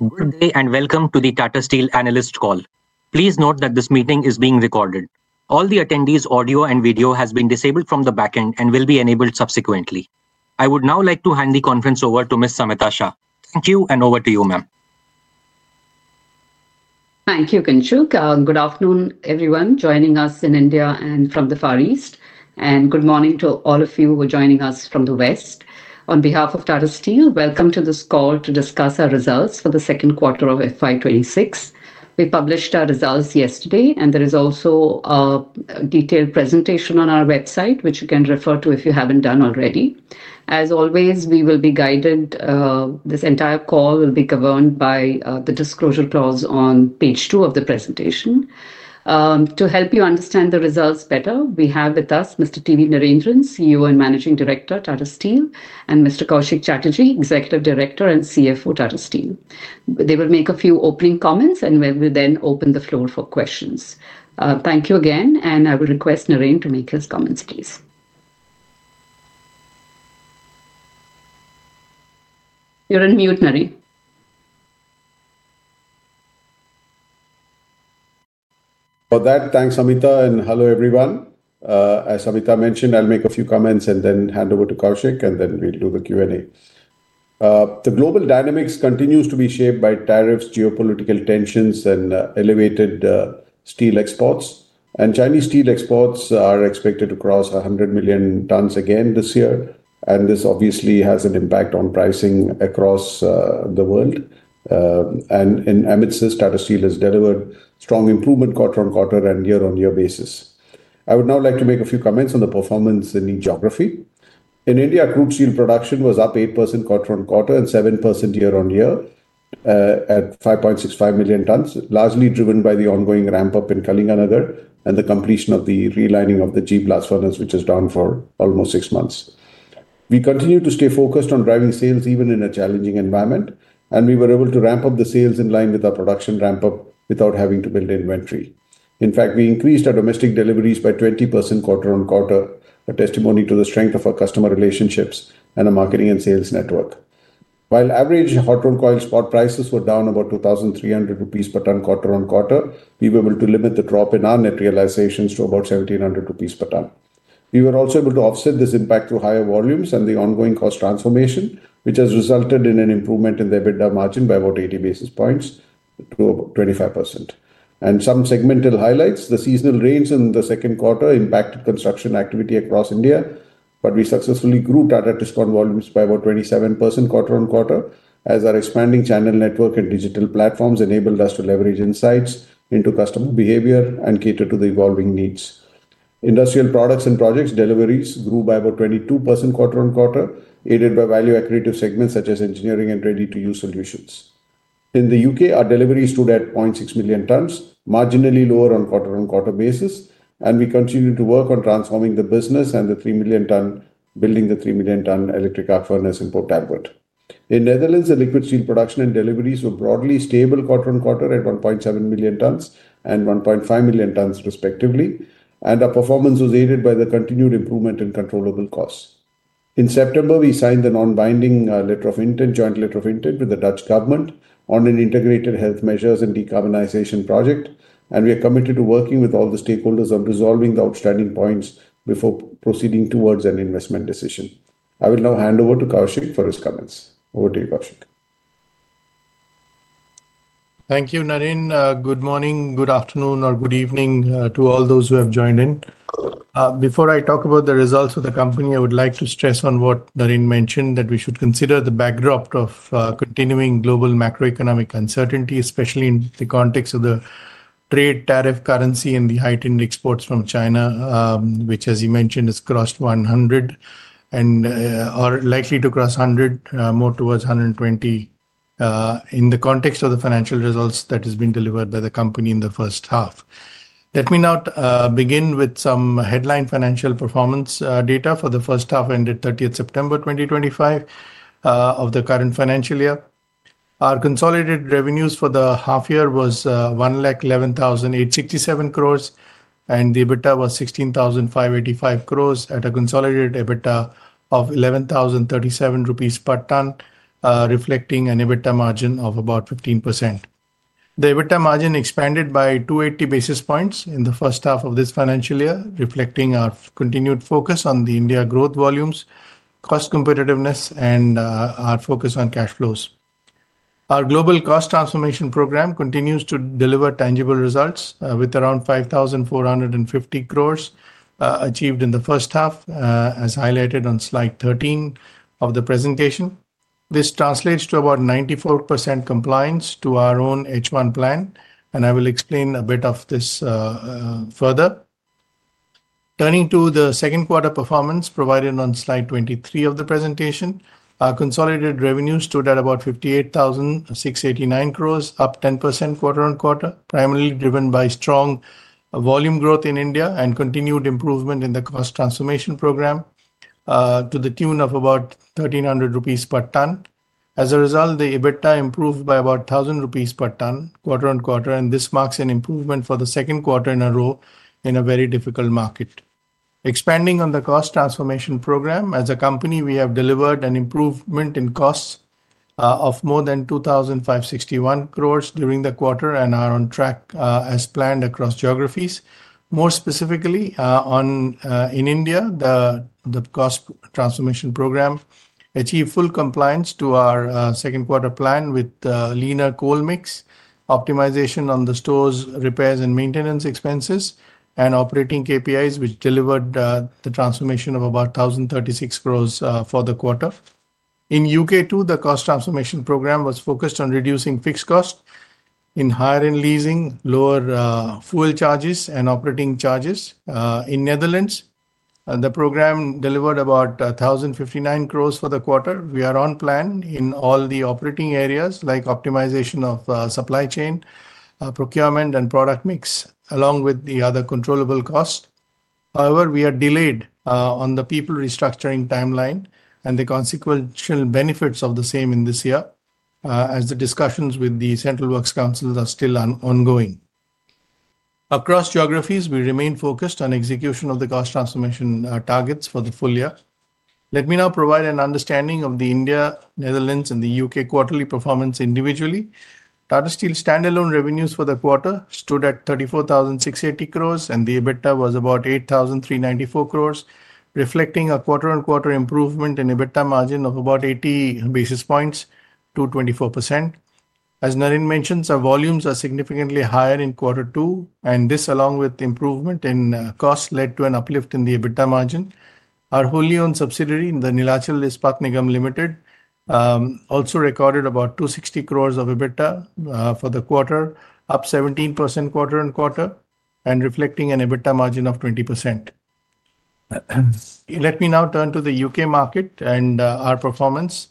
Ma'am. Good day and welcome to the Tata Steel Analyst Call. Please note that this meeting is being recorded. All the attendees' audio and video have been disabled from the backend and will be enabled subsequently. I would now like to hand the conference over to Ms. Samita Shah. Thank you, and over to you, ma'am. Thank you, Kinshuk. Good afternoon, everyone joining us in India and from the Far East. Good morning to all of you who are joining us from the West. On behalf of Tata Steel, welcome to this call to discuss our results for the second quarter of FY26. We published our results yesterday, and there is also a detailed presentation on our website, which you can refer to if you have not done already. As always, we will be guided, this entire call will be governed by the disclosure clause on page two of the presentation. To help you understand the results better, we have with us Mr. T. V. Narendran, CEO and Managing Director, Tata Steel, and Mr. Koushik Chatterjee, Executive Director and CFO, Tata Steel. They will make a few opening comments, and we will then open the floor for questions. Thank you again, and I will request Naren to make his comments, please. You're on mute, Naren. For that, thanks, Samita, and hello, everyone. As Samita mentioned, I'll make a few comments and then hand over to Koushik, and then we'll do the Q&A. The global dynamics continue to be shaped by tariffs, geopolitical tensions, and elevated steel exports. Chinese steel exports are expected to cross 100 million tons again this year, and this obviously has an impact on pricing across the world. In amidst this, Tata Steel has delivered strong improvement quarter on quarter and year-on-year basis. I would now like to make a few comments on the performance in each geography. In India, crude steel production was up 8% quarter on quarter and 7% year-on-year at 5.65 million tons, largely driven by the ongoing ramp-up in Kalinganagar and the completion of the relining of the ‘G’ blast furnace, which was down for almost six months. We continue to stay focused on driving sales even in a challenging environment, and we were able to ramp up the sales in line with our production ramp-up without having to build inventory. In fact, we increased our domestic deliveries by 20% quarter on quarter, a testimony to the strength of our customer relationships and our marketing and sales network. While average hot-rolled coil spot prices were down about 2,300 rupees per ton quarter on quarter, we were able to limit the drop in our net realizations to about 1,700 rupees per ton. We were also able to offset this impact through higher volumes and the ongoing cost transformation, which has resulted in an improvement in the EBITDA margin by about 80 basis points to about 25%. Some segmental highlights: the seasonal rains in the second quarter impacted construction activity across India, but we successfully grew Tata Tiscon volumes by about 27% quarter on quarter, as our expanding channel network and digital platforms enabled us to leverage insights into customer behavior and cater to the evolving needs. Industrial products and projects deliveries grew by about 22% quarter on quarter, aided by value-accretive segments such as engineering and ready-to-use solutions. In the U.K., our deliveries stood at 0.6 million tons, marginally lower on a quarter-on-quarter basis, and we continue to work on transforming the business and building the 3-million-ton electric arc furnace in Port Talbot. In the Netherlands, the liquid steel production and deliveries were broadly stable quarter on quarter at 1.7 million tons and 1.5 million tons, respectively, and our performance was aided by the continued improvement in controllable costs. In September, we signed the non-binding letter of intent, joint letter of intent, with the Dutch government on an integrated health measures and decarbonization project, and we are committed to working with all the stakeholders on resolving the outstanding points before proceeding towards an investment decision. I will now hand over to Koushik for his comments. Over to you, Koushik. Thank you, Naren. Good morning, good afternoon, or good evening to all those who have joined in. Before I talk about the results of the company, I would like to stress on what Naren mentioned, that we should consider the backdrop of continuing global macroeconomic uncertainty, especially in the context of the trade tariff currency and the heightened exports from China, which, as you mentioned, has crossed 100 or is likely to cross 100, more towards 120, in the context of the financial results that have been delivered by the company in the first half. Let me now begin with some headline financial performance data for the first half ended 30 September 2025 of the current financial year. Our consolidated revenues for the half year was 1,11,867 crore, and the EBITDA was 16,585 crore at a consolidated EBITDA of 11,037 rupees per ton, reflecting an EBITDA margin of about 15%. The EBITDA margin expanded by 280 basis points in the first half of this financial year, reflecting our continued focus on the India growth volumes, cost competitiveness, and our focus on cash flows. Our global cost transformation program continues to deliver tangible results with around 5,450 crore achieved in the first half, as highlighted on slide 13 of the presentation. This translates to about 94% compliance to our own H-1 plan, and I will explain a bit of this further. Turning to the second quarter performance provided on slide 23 of the presentation, our consolidated revenues stood at about 58,689 crore up 10% quarter on quarter, primarily driven by strong volume growth in India and continued improvement in the cost transformation program to the tune of about 1,300 rupees per ton. As a result, the EBITDA improved by about 1,000 rupees per ton quarter on quarter, and this marks an improvement for the second quarter in a row in a very difficult market. Expanding on the cost transformation program, as a company, we have delivered an improvement in costs of more than 2,561 crore during the quarter and are on track as planned across geographies. More specifically, in India, the cost transformation program achieved full compliance to our second quarter plan with leaner coal mix, optimization on the stores, repairs, and maintenance expenses, and operating KPIs, which delivered the transformation of about 1,036 crore for the quarter. In the U.K., too, the cost transformation program was focused on reducing fixed costs in hiring and leasing, lower fuel charges, and operating charges. In the Netherlands, the program delivered about 1,059 crore for the quarter. We are on plan in all the operating areas, like optimization of supply chain, procurement, and product mix, along with the other controllable costs. However, we are delayed on the people restructuring timeline and the consequential benefits of the same in this year, as the discussions with the Central Works Council are still ongoing. Across geographies, we remain focused on execution of the cost transformation targets for the full year. Let me now provide an understanding of the India, Netherlands, and the U.K. quarterly performance individually. Tata Steel's standalone revenues for the quarter stood at 34,680 crore and the EBITDA was about 8,394 crore reflecting a quarter-on-quarter improvement in EBITDA margin of about 80 basis points, to 24%. As Naren mentioned, our volumes are significantly higher in quarter two, and this, along with improvement in costs, led to an uplift in the EBITDA margin. Our wholly-owned subsidiary, the Neelachal Ispat Nigam Limited, also recorded about 260 crore of EBITDA for the quarter, up 17% quarter on quarter, and reflecting an EBITDA margin of 20%. Let me now turn to the U.K. market and our performance.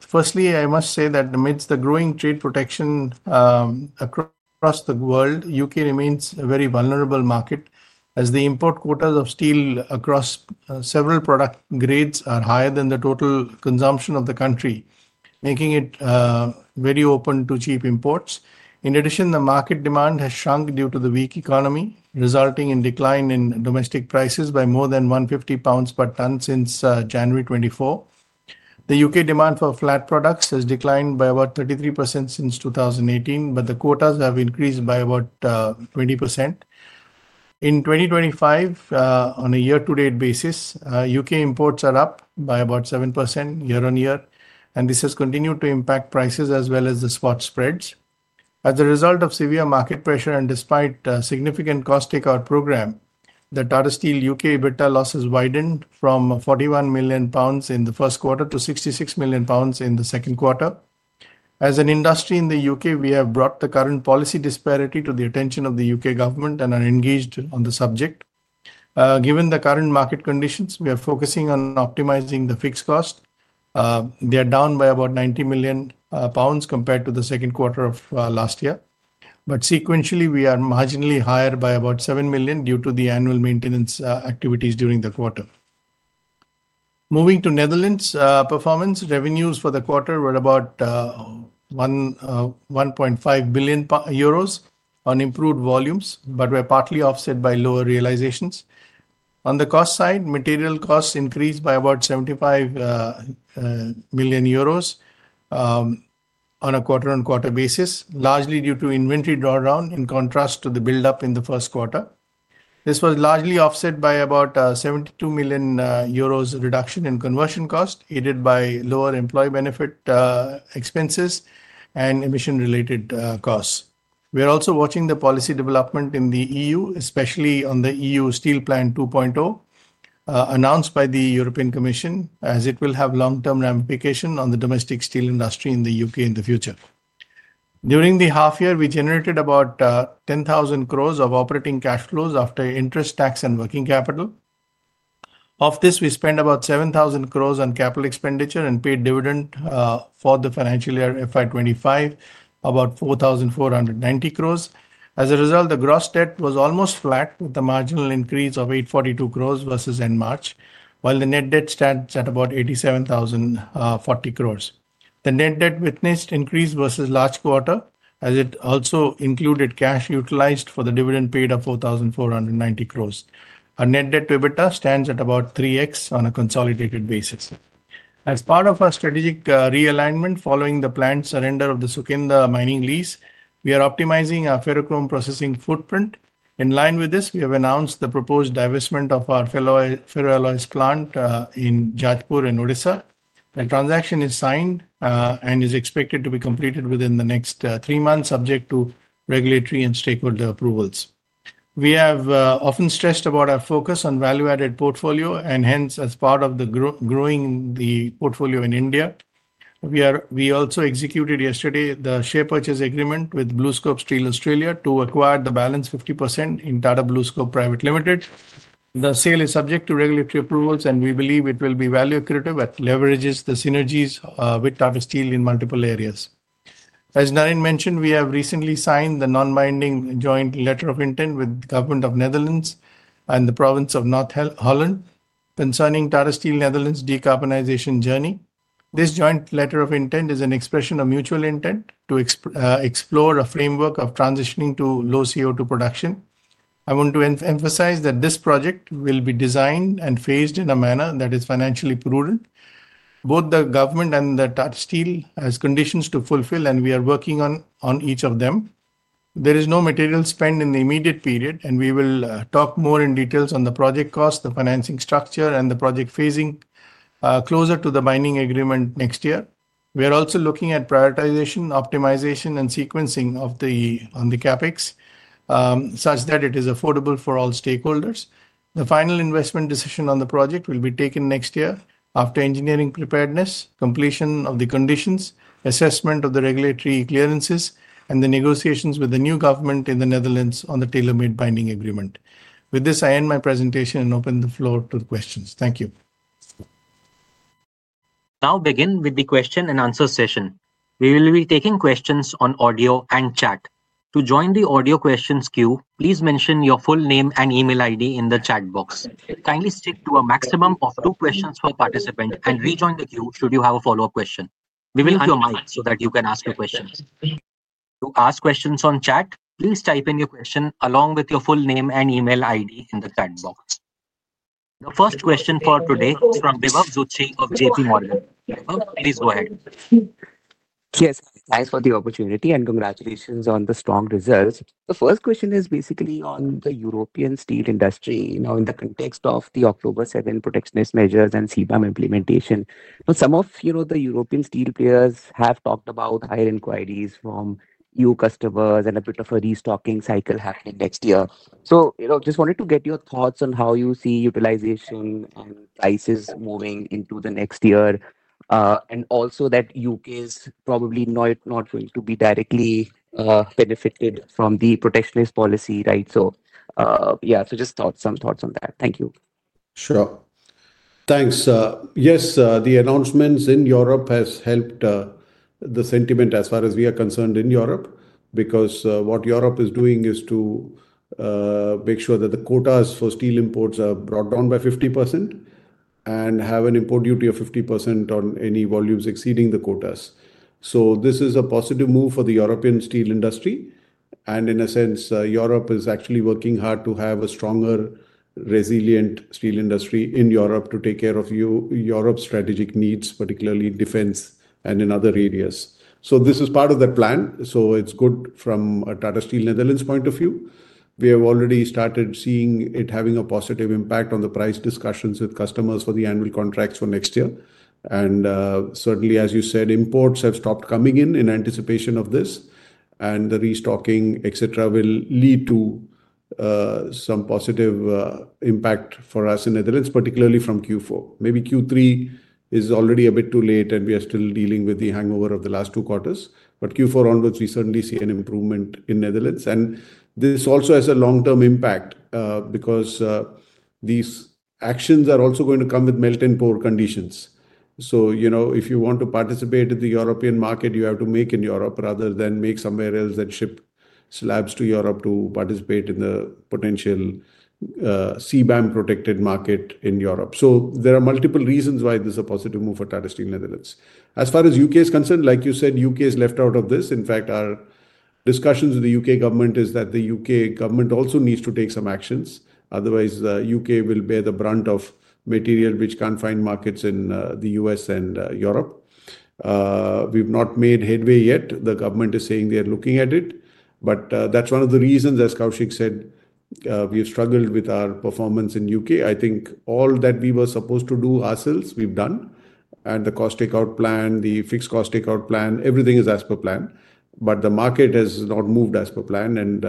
Firstly, I must say that amidst the growing trade protection across the world, the U.K. remains a very vulnerable market, as the import quotas of steel across several product grades are higher than the total consumption of the country, making it very open to cheap imports. In addition, the market demand has shrunk due to the weak economy, resulting in a decline in domestic prices by more than 150 pounds per ton since January 2024. The U.K. demand for flat products has declined by about 33% since 2018, but the quotas have increased by about 20%. In 2025, on a year-to-date basis, U.K. imports are up by about 7% year-on-year, and this has continued to impact prices as well as the spot spreads. As a result of severe market pressure and despite a significant cost takeout program, the Tata Steel U.K. EBITDA losses widened from 41 million pounds in the first quarter to 66 million pounds in the second quarter. As an industry in the U.K., we have brought the current policy disparity to the attention of the U.K. government and are engaged on the subject. Given the current market conditions, we are focusing on optimizing the fixed cost. They are down by about 90 million pounds compared to the second quarter of last year, but sequentially, we are marginally higher by about 7 million due to the annual maintenance activities during the quarter. Moving to the Netherlands' performance, revenues for the quarter were about 1.5 billion euros on improved volumes, but were partly offset by lower realizations. On the cost side, material costs increased by about 75 million euros on a quarter-on-quarter basis, largely due to inventory drawdown in contrast to the build-up in the first quarter. This was largely offset by about 72 million euros reduction in conversion cost, aided by lower employee benefit expenses and emission-related costs. We are also watching the policy development in the EU, especially on the EU Steel Plan 2.0 announced by the European Commission, as it will have long-term ramifications on the domestic steel industry in the U.K. in the future. During the half year, we generated about 10,000 crore of operating cash flows after interest, tax, and working capital. Of this, we spent about 7,000 crore on capital expenditure and paid dividend for the financial year 2025, about 4,490 crore. As a result, the gross debt was almost flat, with a marginal increase of 842 crore versus end March, while the net debt stands at about 87,040 crore The net debt witnessed increase versus last quarter, as it also included cash utilized for the dividend paid of 4,490 crore. Our net debt to EBITDA stands at about 3x on a consolidated basis. As part of our strategic realignment following the planned surrender of the Sukinda mining lease, we are optimizing our ferrochrome processing footprint. In line with this, we have announced the proposed divestment of our ferroalloy plant in Jajpur in Odisha. The transaction is signed and is expected to be completed within the next three months, subject to regulatory and stakeholder approvals. We have often stressed about our focus on value-added portfolio, and hence, as part of the growing portfolio in India, we also executed yesterday the share purchase agreement with BlueScope Steel Australia to acquire the balance 50% in Tata BlueScope Private Limited. The sale is subject to regulatory approvals, and we believe it will be value-accretive that leverages the synergies with Tata Steel in multiple areas. As Naren mentioned, we have recently signed the non-binding joint letter of intent with the government of the Netherlands and the province of North Holland concerning Tata Steel Netherlands' decarbonization journey. This joint letter of intent is an expression of mutual intent to explore a framework of transitioning to low CO2 production. I want to emphasize that this project will be designed and phased in a manner that is financially prudent. Both the government and Tata Steel have conditions to fulfill, and we are working on each of them. There is no material spend in the immediate period, and we will talk more in detail on the project cost, the financing structure, and the project phasing closer to the mining agreement next year. We are also looking at prioritization, optimization, and sequencing on the CapEx such that it is affordable for all stakeholders. The final investment decision on the project will be taken next year after engineering preparedness, completion of the conditions, assessment of the regulatory clearances, and the negotiations with the new government in the Netherlands on the tailor-made binding agreement. With this, I end my presentation and open the floor to questions. Thank you. Now begin with the question-and-answer session. We will be taking questions on audio and chat. To join the audio questions queue, please mention your full name and email ID in the chat box. Kindly stick to a maximum of two questions per participant and rejoin the queue should you have a follow-up question. We will mute your mic so that you can ask your questions. To ask questions on chat, please type in your question along with your full name and email ID in the chat box. The first question for today is from Debojyoti of JPMorgan. Please go ahead. Yes, thanks for the opportunity and congratulations on the strong results. The first question is basically on the European steel industry in the context of the October 7 protectionist measures and CBAM implementation. Some of the European steel players have talked about higher inquiries from EU customers and a bit of a restocking cycle happening next year. I just wanted to get your thoughts on how you see utilization and prices moving into the next year, and also that the U.K. is probably not going to be directly benefited from the protectionist policy. Yeah, just some thoughts on that. Thank you. Sure. Thanks. Yes, the announcements in Europe have helped the sentiment as far as we are concerned in Europe because what Europe is doing is to make sure that the quotas for steel imports are brought down by 50% and have an import duty of 50% on any volumes exceeding the quotas. This is a positive move for the European steel industry. In a sense, Europe is actually working hard to have a stronger, resilient steel industry in Europe to take care of Europe's strategic needs, particularly defense and in other areas. This is part of the plan. It is good from Tata Steel Netherlands' point of view. We have already started seeing it having a positive impact on the price discussions with customers for the annual contracts for next year. Certainly, as you said, imports have stopped coming in in anticipation of this. The restocking, etc., will lead to some positive impact for us in the Netherlands, particularly from Q4. Maybe Q3 is already a bit too late, and we are still dealing with the hangover of the last two quarters. Q4 onwards, we certainly see an improvement in the Netherlands. This also has a long-term impact because these actions are also going to come with melt-and-pour conditions. If you want to participate in the European market, you have to make in Europe rather than make somewhere else and ship slabs to Europe to participate in the potential CBAM-protected market in Europe. There are multiple reasons why this is a positive move for Tata Steel Netherlands. As far as the U.K. is concerned, like you said, the U.K. is left out of this. In fact, our discussions with the U.K. government are that the U.K. government also needs to take some actions. Otherwise, the U.K. will bear the brunt of material, which can't find markets in the U.S. and Europe. We've not made headway yet. The government is saying they are looking at it. That is one of the reasons, as Koushik said, we have struggled with our performance in the U.K. I think all that we were supposed to do ourselves, we've done. The cost takeout plan, the fixed cost takeout plan, everything is as per plan. The market has not moved as per plan, and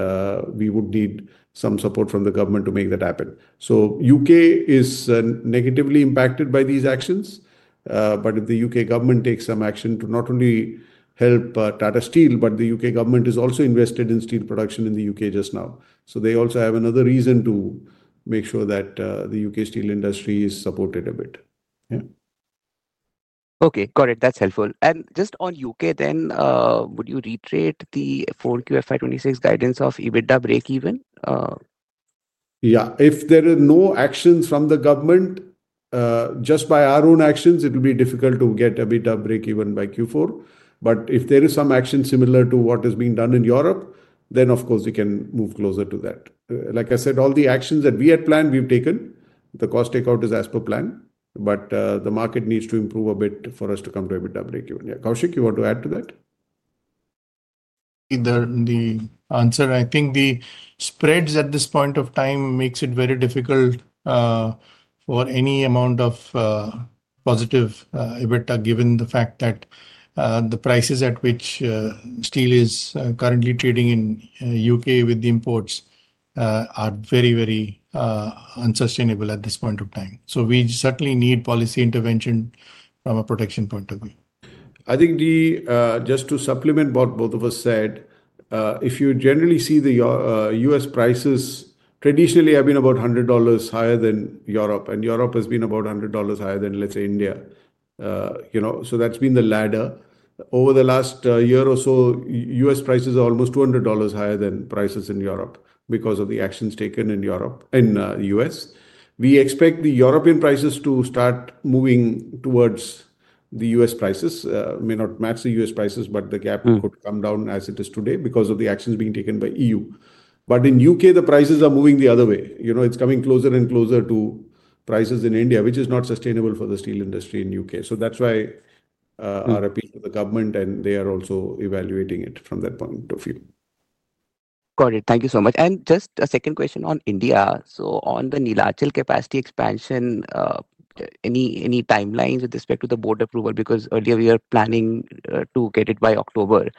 we would need some support from the government to make that happen. The U.K. is negatively impacted by these actions. If the U.K. government takes some action to not only help Tata Steel, but the U.K. government is also invested in steel production in the U.K. just now. They also have another reason to make sure that the U.K. steel industry is supported a bit. Yeah. Okay. Got it. That's helpful. Just on the U.K. then, would you reiterate the fourth quarter fiscal year 2026 guidance of EBITDA break-even? Yeah. If there are no actions from the government, just by our own actions, it will be difficult to get EBITDA break-even by Q4. If there is some action similar to what is being done in Europe, then, of course, we can move closer to that. Like I said, all the actions that we had planned, we've taken. The cost takeout is as per plan. The market needs to improve a bit for us to come to EBITDA break-even. Yeah. Koushik, you want to add to that? The answer, I think the spreads at this point of time make it very difficult for any amount of positive EBITDA, given the fact that the prices at which steel is currently trading in the U.K. with the imports are very, very unsustainable at this point of time. We certainly need policy intervention from a protection point of view. I think just to supplement what both of us said, if you generally see the U.S. prices, traditionally, have been about $100 higher than Europe. And Europe has been about $100 higher than, let's say, India. That has been the ladder. Over the last year or so, U.S. prices are almost $200 higher than prices in Europe because of the actions taken in Europe, in the U.S. We expect the European prices to start moving towards the U.S. prices. It may not match the U.S. prices, but the gap could come down as it is today because of the actions being taken by the EU. In the U.K., the prices are moving the other way. It's coming closer and closer to prices in India, which is not sustainable for the steel industry in the U.K. That's why our appeal to the government, and they are also evaluating it from that point of view. Got it. Thank you so much. Just a second question on India. On the Neelachal capacity expansion, any timelines with respect to the board approval? Because earlier, we were planning to get it by October.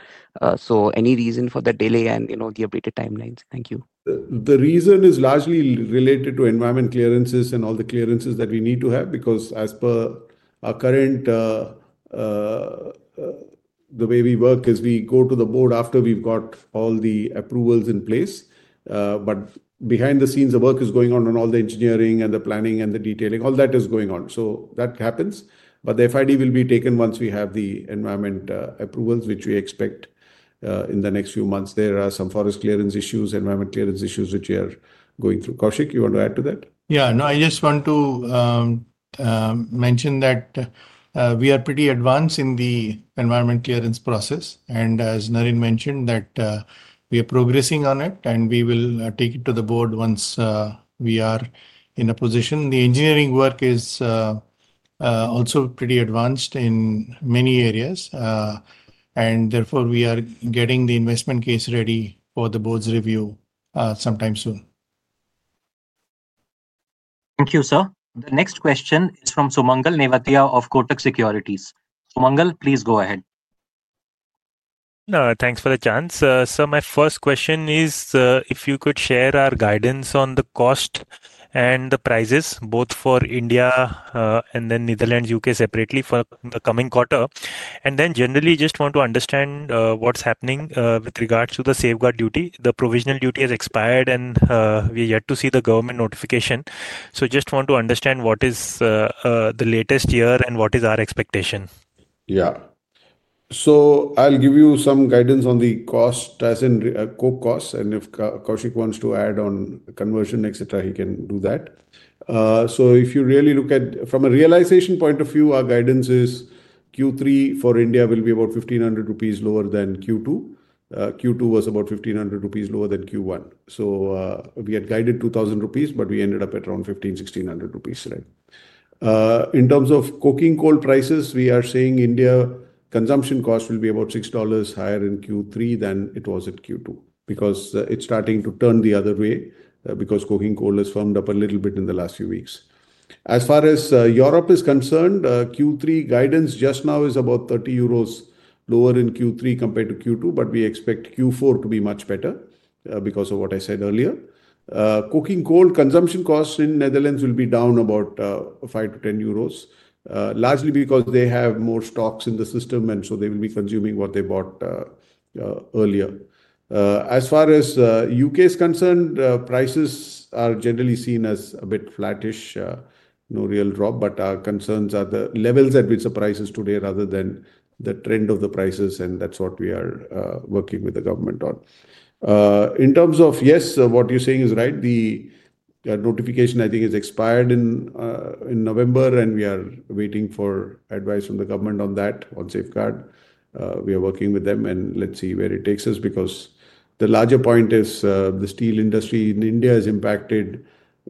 Any reason for the delay and the updated timelines? Thank you. The reason is largely related to environment clearances and all the clearances that we need to have because as per our current, the way we work is we go to the board after we've got all the approvals in place. Behind the scenes, the work is going on, and all the engineering and the planning and the detailing, all that is going on. That happens. The FID will be taken once we have the environment approvals, which we expect in the next few months. There are some forest clearance issues, environment clearance issues, which we are going through. Koushik, you want to add to that? Yeah. No, I just want to mention that we are pretty advanced in the environment clearance process. As Naren mentioned, we are progressing on it, and we will take it to the board once we are in a position. The engineering work is also pretty advanced in many areas. Therefore, we are getting the investment case ready for the board's review sometime soon. Thank you, sir. The next question is from Sumangal Nevatia of Kotak Securities. Sumangal, please go ahead. Thanks for the chance. Sir, my first question is if you could share our guidance on the cost and the prices, both for India and then Netherlands, U.K. separately for the coming quarter. I just want to understand what's happening with regards to the safeguard duty. The provisional duty has expired, and we are yet to see the government notification. I just want to understand what is the latest here and what is our expectation. Yeah. I'll give you some guidance on the cost as in co-cost. If Koushik wants to add on conversion, etc., he can do that. If you really look at from a realization point of view, our guidance is Q3 for India will be about 1,500 rupees lower than Q2. Q2 was about 1,500 rupees lower than Q1. We had guided 2,000 rupees, but we ended up at around 1,500 rupees, INR 1,600. In terms of coking coal prices, we are seeing India consumption costs will be about $6 higher in Q3 than it was at Q2 because it's starting to turn the other way because coking coal has firmed up a little bit in the last few weeks. As far as Europe is concerned, Q3 guidance just now is about 30 euros lower in Q3 compared to Q2, but we expect Q4 to be much better because of what I said earlier. Coking coal consumption costs in the Netherlands will be down about 5-10 euros, largely because they have more stocks in the system, and so they will be consuming what they bought earlier. As far as the U.K. is concerned, prices are generally seen as a bit flattish, no real drop, but our concerns are the levels at which the price is today rather than the trend of the prices, and that is what we are working with the government on. In terms of, yes, what you are saying is right. The notification, I think, has expired in November, and we are waiting for advice from the government on that, on safeguard. We are working with them, and let us see where it takes us because the larger point is the steel industry in India is impacted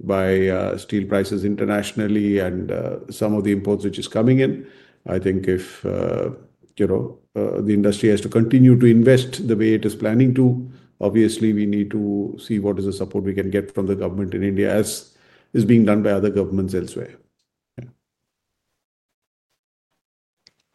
by steel prices internationally and some of the imports which are coming in. I think if the industry has to continue to invest the way it is planning to, obviously, we need to see what is the support we can get from the government in India as is being done by other governments elsewhere.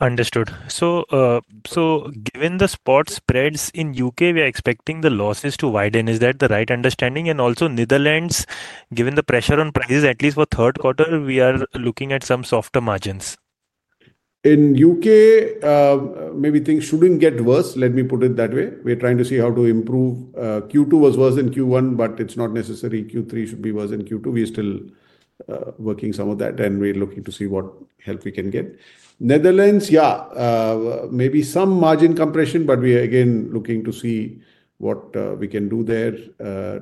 Understood. Given the spot spreads in the U.K., we are expecting the losses to widen. Is that the right understanding? Also, Netherlands, given the pressure on prices, at least for the third quarter, we are looking at some softer margins. In the U.K., maybe things should not get worse. Let me put it that way. We are trying to see how to improve. Q2 was worse than Q1, but it is not necessary Q3 should be worse than Q2. We are still working on some of that, and we are looking to see what help we can get. Netherlands, yeah, maybe some margin compression, but we are again looking to see what we can do there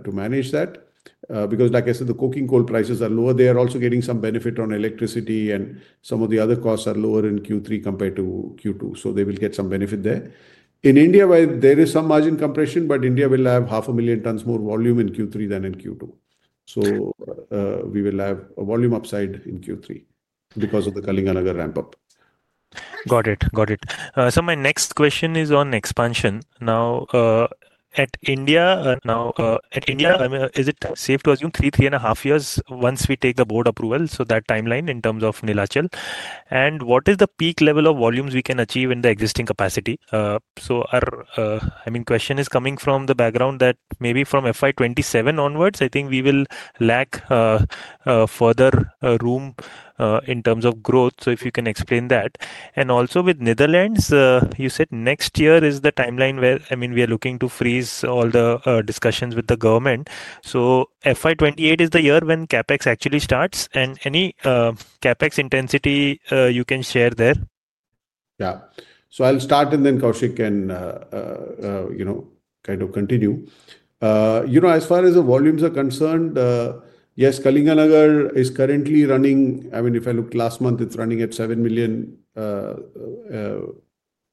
to manage that because, like I said, the coking coal prices are lower. They are also getting some benefit on electricity, and some of the other costs are lower in Q3 compared to Q2. They will get some benefit there. In India, there is some margin compression, but India will have 500,000 tons more volume in Q3 than in Q2. We will have a volume upside in Q3 because of the Kalinganagar ramp-up. Got it. Got it. My next question is on expansion. Now, at India, is it safe to assume three, three and a half years once we take the board approval? That timeline in terms of Neelachal. What is the peak level of volumes we can achieve in the existing capacity? I mean, the question is coming from the background that maybe from FY 2027 onwards, I think we will lack further room in terms of growth. If you can explain that. Also, with Netherlands, you said next year is the timeline where we are looking to freeze all the discussions with the government. FY 2028 is the year when CapEx actually starts. Any CapEx intensity you can share there? Yeah. I'll start, and then Koushik can kind of continue. As far as the volumes are concerned, yes, Kalinganagar is currently running, I mean, if I look last month, it's running at 7 million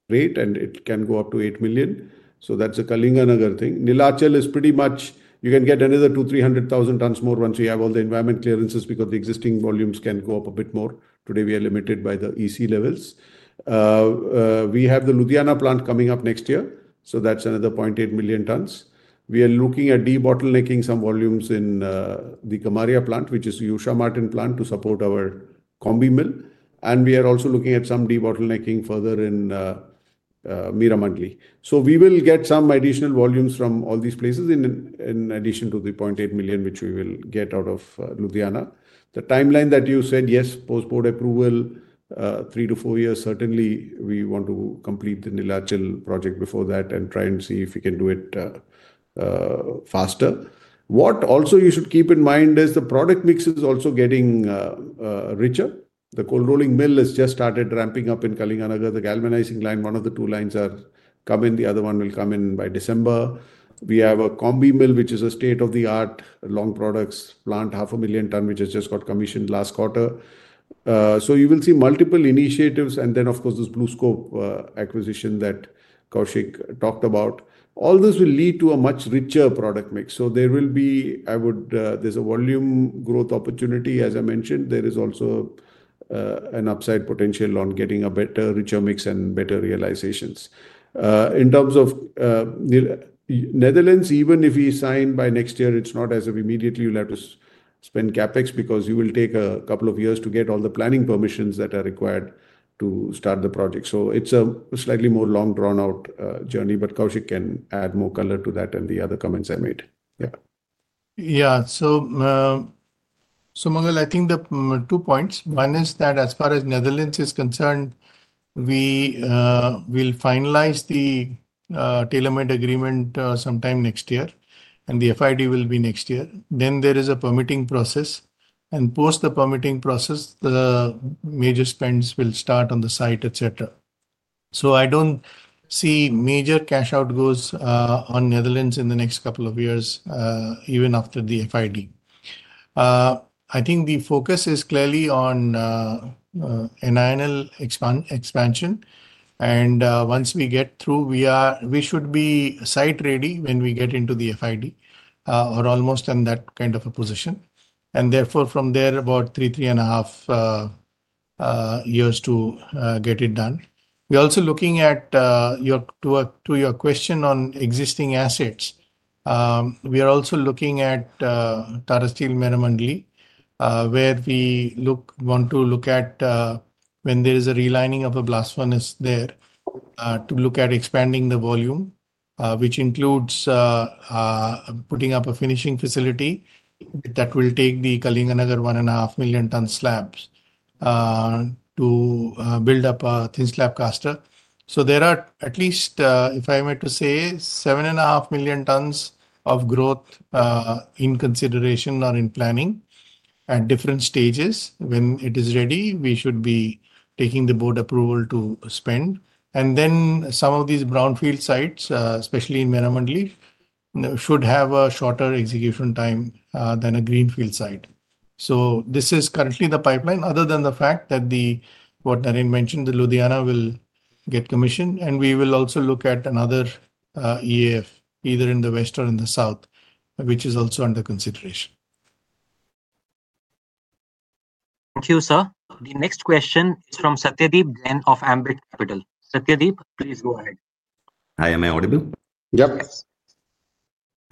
rate, and it can go up to 8 million. That's a Kalinganagar thing. Neelachal is pretty much you can get another 200,000-300,000 tons more once we have all the environment clearances because the existing volumes can go up a bit more. Today, we are limited by the EC levels. We have the Ludhiana plant coming up next year. That's another 0.8 million tons. We are looking at de-bottlenecking some volumes in the Kamaria plant, which is the Usha Martin plant to support our Combi mill. We are also looking at some de-bottlenecking further in Meramandali. We will get some additional volumes from all these places in addition to the 0.8 million, which we will get out of Ludhiana. The timeline that you said, yes, post-board approval, three to four years, certainly, we want to complete the Neelachal project before that and try and see if we can do it faster. What also you should keep in mind is the product mix is also getting richer. The cold rolling mill has just started ramping up in Kalinganagar. The galvanizing line, one of the two lines, is coming. The other one will come in by December. We have a Combi mill, which is a state-of-the-art long products plant, 500,000 ton, which has just got commissioned last quarter. You will see multiple initiatives. Of course, this BlueScope acquisition that Koushik talked about. All this will lead to a much richer product mix. There will be, I would, there's a volume growth opportunity, as I mentioned. There is also an upside potential on getting a better, richer mix and better realizations. In terms of Netherlands, even if we sign by next year, it's not as of immediately you'll have to spend CapEx because you will take a couple of years to get all the planning permissions that are required to start the project. It's a slightly more long drawn-out journey, but Koushik can add more color to that and the other comments I made. Yeah. Yeah. Sumangal, I think the two points. One is that as far as Netherlands is concerned, we will finalize the tailor-made agreement sometime next year, and the FID will be next year. There is a permitting process. Post the permitting process, the major spends will start on the site, etc. I do not see major cash outgoes on Netherlands in the next couple of years, even after the FID. I think the focus is clearly on NINL expansion. Once we get through, we should be site-ready when we get into the FID or almost in that kind of a position. Therefore, from there, about three-three and a half years to get it done. We're also looking at, to your question on existing assets, we are also looking at Tata Steel Meramandali, where we want to look at when there is a relining of a blast furnace there to look at expanding the volume, which includes putting up a finishing facility that will take the Kalinganagar 1.5 million tons slabs to build up a thin slab caster. There are at least, if I were to say, 7.5 million tons of growth in consideration or in planning at different stages. When it is ready, we should be taking the board approval to spend. Some of these brownfield sites, especially in Meramandali, should have a shorter execution time than a greenfield site. This is currently the pipeline, other than the fact that what Naren mentioned, the Ludhiana will get commissioned. We will also look at another EAF, either in the west or in the south, which is also under consideration. Thank you, sir. The next question is from Satyadeep Jain of Ambit Capital. Satyadeep, please go ahead. Hi. Am I audible?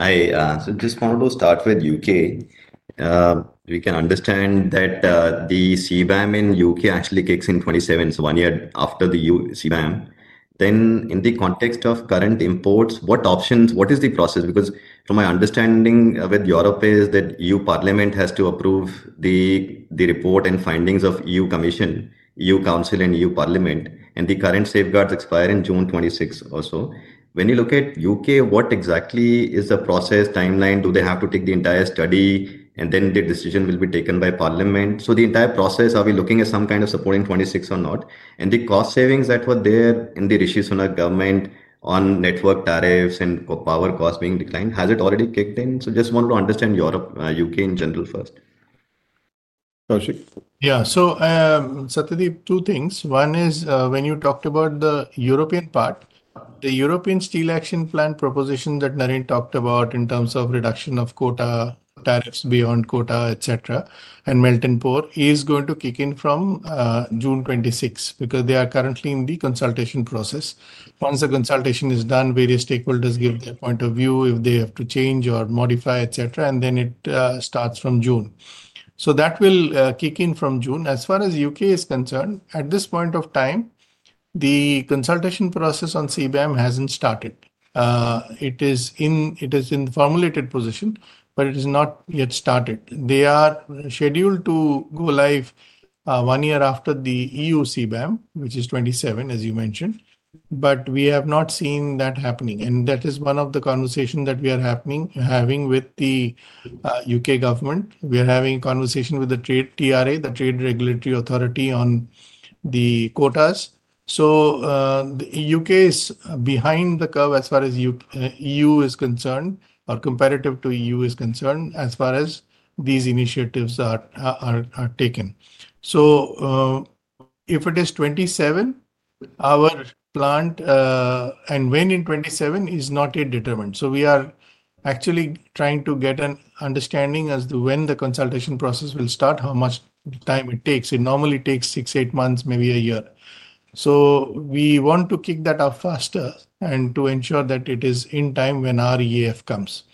Yep. Just wanted to start with the U.K. We can understand that the CBAM in the U.K. actually kicks in 2027, so one year after the CBAM. Then in the context of current imports, what options, what is the process? Because from my understanding with Europe is that EU Parliament has to approve the report and findings of the EU Commission, EU Council, and EU Parliament. The current safeguards expire in June 2026 also. When you look at the U.K., what exactly is the process timeline? Do they have to take the entire study, and then the decision will be taken by Parliament? The entire process, are we looking at some kind of support in 2026 or not? The cost savings that were there in the Rishi Sunak government on network tariffs and power costs being declined, has it already kicked in? Just wanted to understand Europe, U.K. in general first. Yeah. So Satyadeep, two things. One is when you talked about the European part, the European Steel Action Plan proposition that Naren talked about in terms of reduction of quota, tariffs beyond quota, etc., and melt and pour is going to kick in from June 2026 because they are currently in the consultation process. Once the consultation is done, various stakeholders give their point of view if they have to change or modify, etc., and then it starts from June. That will kick in from June. As far as the U.K. is concerned, at this point of time, the consultation process on CBAM has not started. It is in the formulated position, but it has not yet started. They are scheduled to go live one year after the EU CBAM, which is 2027, as you mentioned. We have not seen that happening. That is one of the conversations that we are having with the U.K. government. We are having a conversation with the TRA, the Trade Regulatory Authority, on the quotas. The U.K. is behind the curve as far as the EU is concerned or comparative to the EU is concerned as far as these initiatives are taken. If it is 2027, our plant and when in 2027 is not yet determined. We are actually trying to get an understanding as to when the consultation process will start, how much time it takes. It normally takes six-eight months, maybe a year. We want to kick that off faster and to ensure that it is in time when our EAF comes.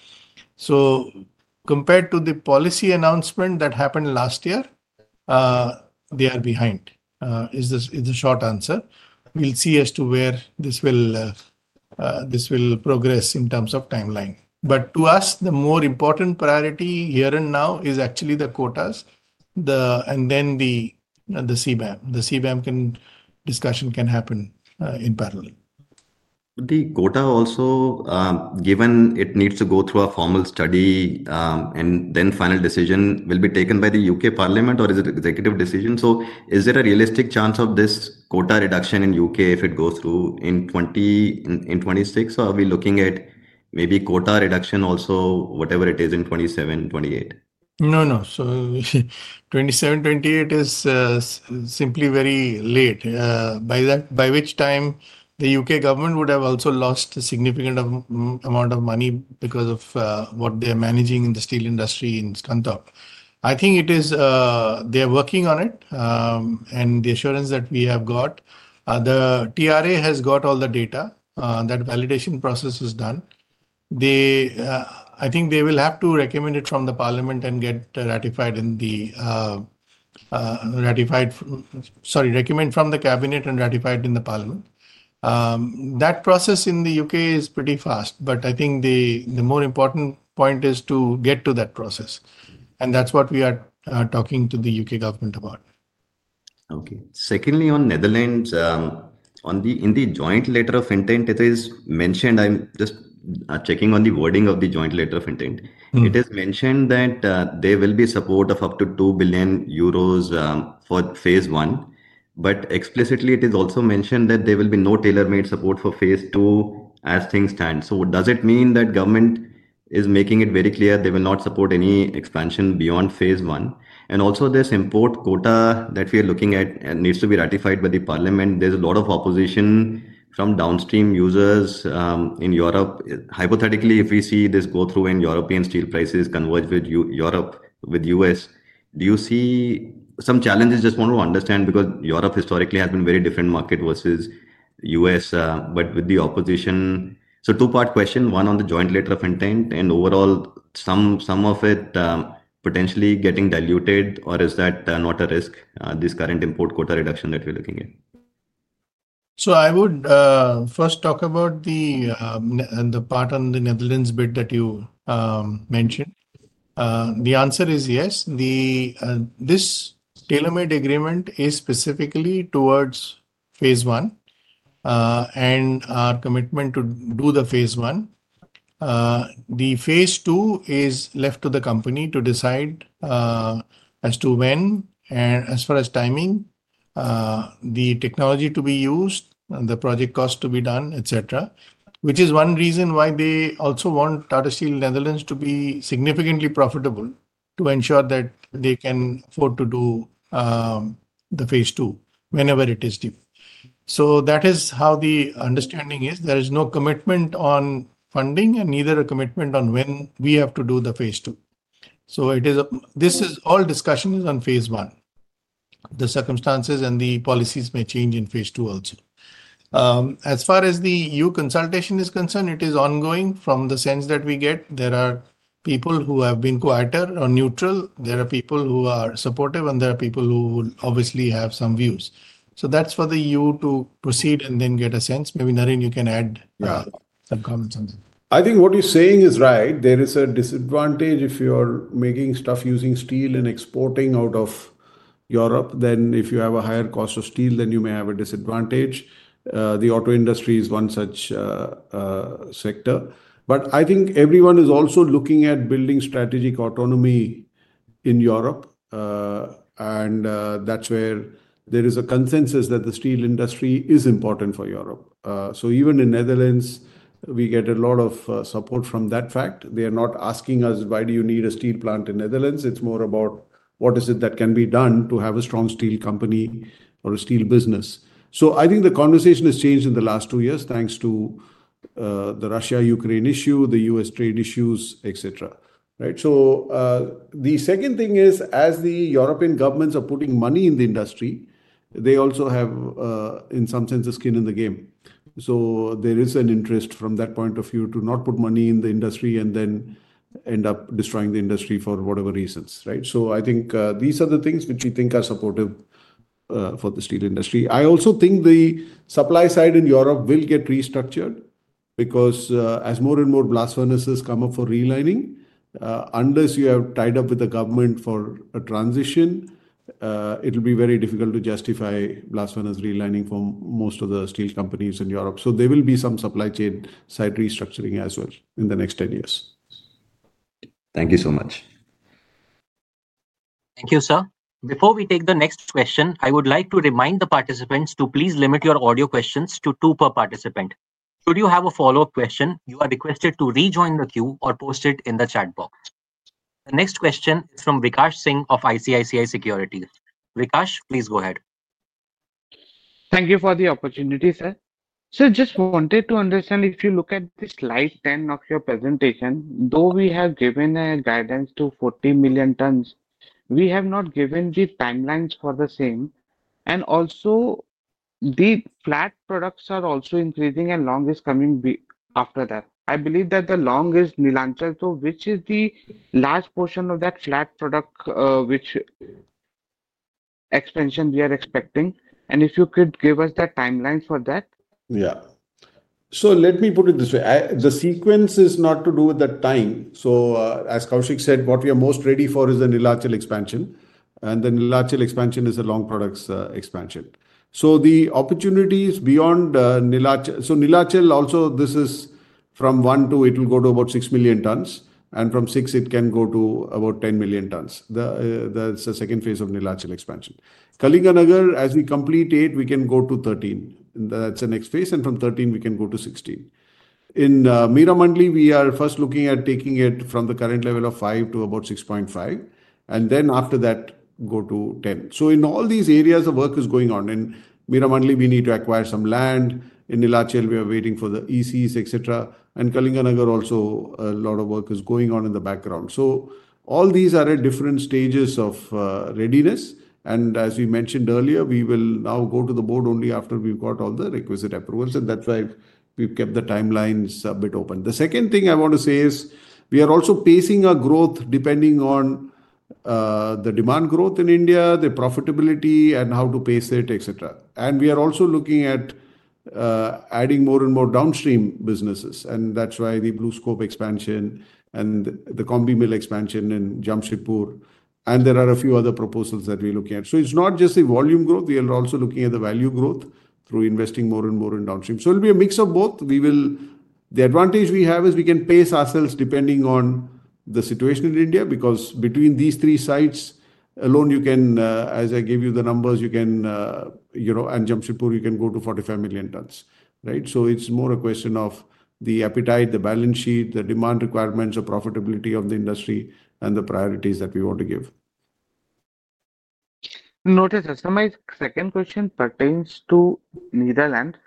Compared to the policy announcement that happened last year, they are behind is the short answer. We'll see as to where this will progress in terms of timeline. To us, the more important priority here and now is actually the quotas, and then the CBAM. The CBAM discussion can happen in parallel. The quota also, given it needs to go through a formal study and then final decision will be taken by the U.K. Parliament, or is it an executive decision? Is there a realistic chance of this quota reduction in the U.K. if it goes through in 2026? Are we looking at maybe quota reduction also, whatever it is, in 2027, 2028? No, no. 2027, 2028 is simply very late. By which time, the U.K. government would have also lost a significant amount of money because of what they are managing in the steel industry in Scunthorpe. I think they are working on it. The assurance that we have got, the TRA has got all the data. That validation process is done. I think they will have to recommend it from the cabinet and get ratified in the Parliament. That process in the U.K. is pretty fast. I think the more important point is to get to that process. That is what we are talking to the U.K. government about. Okay. Secondly, on Netherlands, in the joint letter of intent, it is mentioned, I'm just checking on the wording of the joint letter of intent. It is mentioned that there will be support of up to 2 billion euros for phase one. Explicitly, it is also mentioned that there will be no tailor-made support for phase two as things stand. Does it mean that government is making it very clear they will not support any expansion beyond phase one? Also, this import quota that we are looking at needs to be ratified by the Parliament. There is a lot of opposition from downstream users in Europe. Hypothetically, if we see this go through and European steel prices converge with U.S., do you see some challenges? I just want to understand because Europe historically has been a very different market versus the U.S. With the opposition, two-part question. One on the joint letter of intent, and overall, some of it potentially getting diluted, or is that not a risk, this current import quota reduction that we're looking at? I would first talk about the part on the Netherlands bit that you mentioned. The answer is yes. This tailor-made agreement is specifically towards phase one and our commitment to do the phase one. The phase two is left to the company to decide as to when, as far as timing, the technology to be used, the project cost to be done, etc., which is one reason why they also want Tata Steel Netherlands to be significantly profitable to ensure that they can afford to do the phase two whenever it is due. That is how the understanding is. There is no commitment on funding and neither a commitment on when we have to do the phase two. This is all discussion is on phase one. The circumstances and the policies may change in phase two also. As far as the EU consultation is concerned, it is ongoing. From the sense that we get, there are people who have been quieter or neutral. There are people who are supportive, and there are people who will obviously have some views. That is for the EU to proceed and then get a sense. Maybe Naren, you can add some comments on that. I think what you're saying is right. There is a disadvantage if you're making stuff using steel and exporting out of Europe. If you have a higher cost of steel, then you may have a disadvantage. The auto industry is one such sector. I think everyone is also looking at building strategic autonomy in Europe. That is where there is a consensus that the steel industry is important for Europe. Even in Netherlands, we get a lot of support from that fact. They are not asking us, "Why do you need a steel plant in Netherlands?" It is more about what is it that can be done to have a strong steel company or a steel business. I think the conversation has changed in the last two years thanks to the Russia-Ukraine issue, the U.S. trade issues, etc. Right? The second thing is, as the European governments are putting money in the industry, they also have, in some sense, a skin in the game. There is an interest from that point of view to not put money in the industry and then end up destroying the industry for whatever reasons. Right? I think these are the things which we think are supportive for the steel industry. I also think the supply side in Europe will get restructured because as more and more blast furnaces come up for relining, unless you have tied up with the government for a transition, it will be very difficult to justify blast furnace relining for most of the steel companies in Europe. There will be some supply chain side restructuring as well in the next 10 years. Thank you so much. Thank you, sir. Before we take the next question, I would like to remind the participants to please limit your audio questions to two per participant. Should you have a follow-up question, you are requested to rejoin the queue or post it in the chat box. The next question is from Vikas Singh of ICICI Securities. Vikas, please go ahead. Thank you for the opportunity, sir. Just wanted to understand if you look at this slide 10 of your presentation, though we have given a guidance to 40 million tons, we have not given the timelines for the same. Also, the flat products are increasing and long is coming after that. I believe that the long is Neelachal, too, which is the last portion of that flat product, which expansion we are expecting. If you could give us the timeline for that. Yeah. Let me put it this way. The sequence is not to do with the time. As Koushik said, what we are most ready for is the Neelachal expansion. The Neelachal expansion is a long products expansion. The opportunities beyond Neelachal, so Neelachal also, this is from one to it will go to about 6 million tons. From 6, it can go to about 10 million tons. That is the second phase of Neelachal expansion. Kalinganagar, as we complete 8, we can go to 13. That is the next phase. From 13, we can go to 16. In Meramandali, we are first looking at taking it from the current level of 5 to about 6.5. After that, go to 10. In all these areas, the work is going on. In Meramandali, we need to acquire some land. In Neelachal, we are waiting for the ECs, etc. Kalinganagar also, a lot of work is going on in the background. All these are at different stages of readiness. As we mentioned earlier, we will now go to the board only after we've got all the requisite approvals. That is why we've kept the timelines a bit open. The second thing I want to say is we are also pacing our growth depending on the demand growth in India, the profitability, and how to pace it, etc. We are also looking at adding more and more downstream businesses. That is why the BlueScope expansion and the Combi Mill expansion in Jamshedpur. There are a few other proposals that we're looking at. It is not just the volume growth. We are also looking at the value growth through investing more and more in downstream. It'll be a mix of both. The advantage we have is we can pace ourselves depending on the situation in India because between these three sites alone, as I give you the numbers, you can, and Jamshedpur, you can go to 45 million tons. Right? It's more a question of the appetite, the balance sheet, the demand requirements, the profitability of the industry, and the priorities that we want to give. Noted. My second question pertains to Netherlands.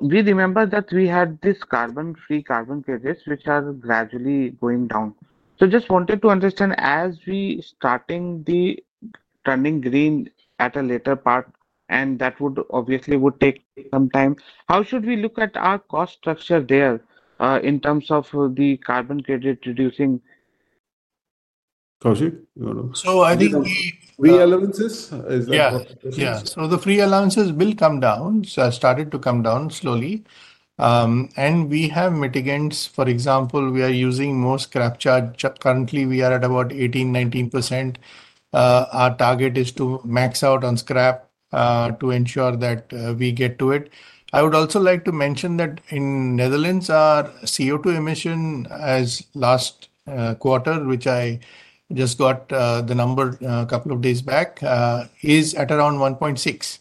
We remember that we had these carbon-free carbon credits which are gradually going down. I just wanted to understand as we are starting the turning green at a later part, and that would obviously take some time, how should we look at our cost structure there in terms of the carbon credit reducing? Koushik, you want to? I think the. Free allowances? Yeah. Yeah. The free allowances will come down. It started to come down slowly. We have mitigants. For example, we are using more scrap charge. Currently, we are at about 18%-19%. Our target is to max out on scrap to ensure that we get to it. I would also like to mention that in Netherlands, our CO2 emission as last quarter, which I just got the number a couple of days back, is at around 1.6.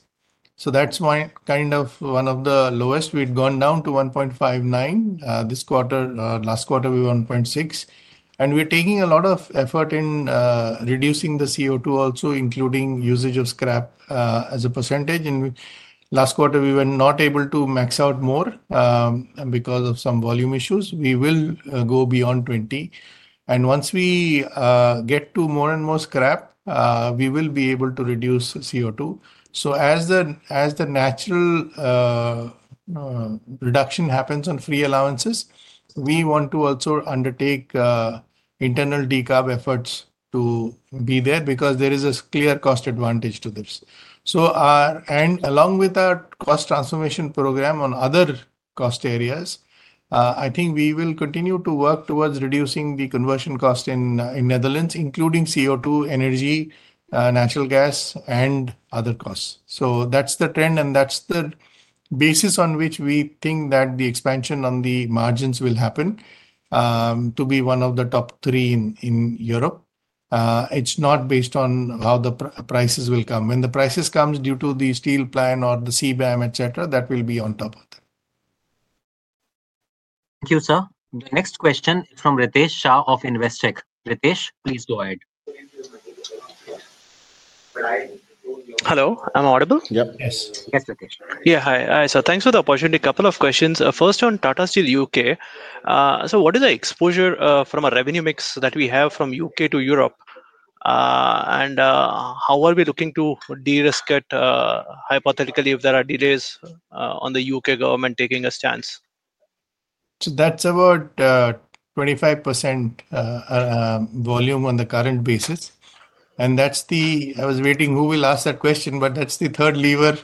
That is kind of one of the lowest. We had gone down to 1.59 this quarter. Last quarter, we were 1.6. We are taking a lot of effort in reducing the CO2 also, including usage of scrap as a percentage. Last quarter, we were not able to max out more because of some volume issues. We will go beyond 20. Once we get to more and more scrap, we will be able to reduce CO2. As the natural reduction happens on free allowances, we want to also undertake internal decarb efforts to be there because there is a clear cost advantage to this. Along with our cost transformation program on other cost areas, I think we will continue to work towards reducing the conversion cost in Netherlands, including CO2, energy, natural gas, and other costs. That is the trend. That is the basis on which we think that the expansion on the margins will happen to be one of the top three in Europe. It is not based on how the prices will come. When the prices come due to the steel plan or the CBAM, etc., that will be on top of that. Thank you, sir. The next question is from Ritesh Shah of Investec. Ritesh, please go ahead. Hello. Am I audible? Yep. Yes. Yes, Ritesh. Yeah. Hi. So thanks for the opportunity. A couple of questions. First, on Tata Steel U.K. So what is the exposure from a revenue mix that we have from U.K. to Europe? How are we looking to de-risk it hypothetically if there are delays on the U.K. government taking a stance? That's about 25% volume on the current basis. I was waiting who will ask that question, but that's the third lever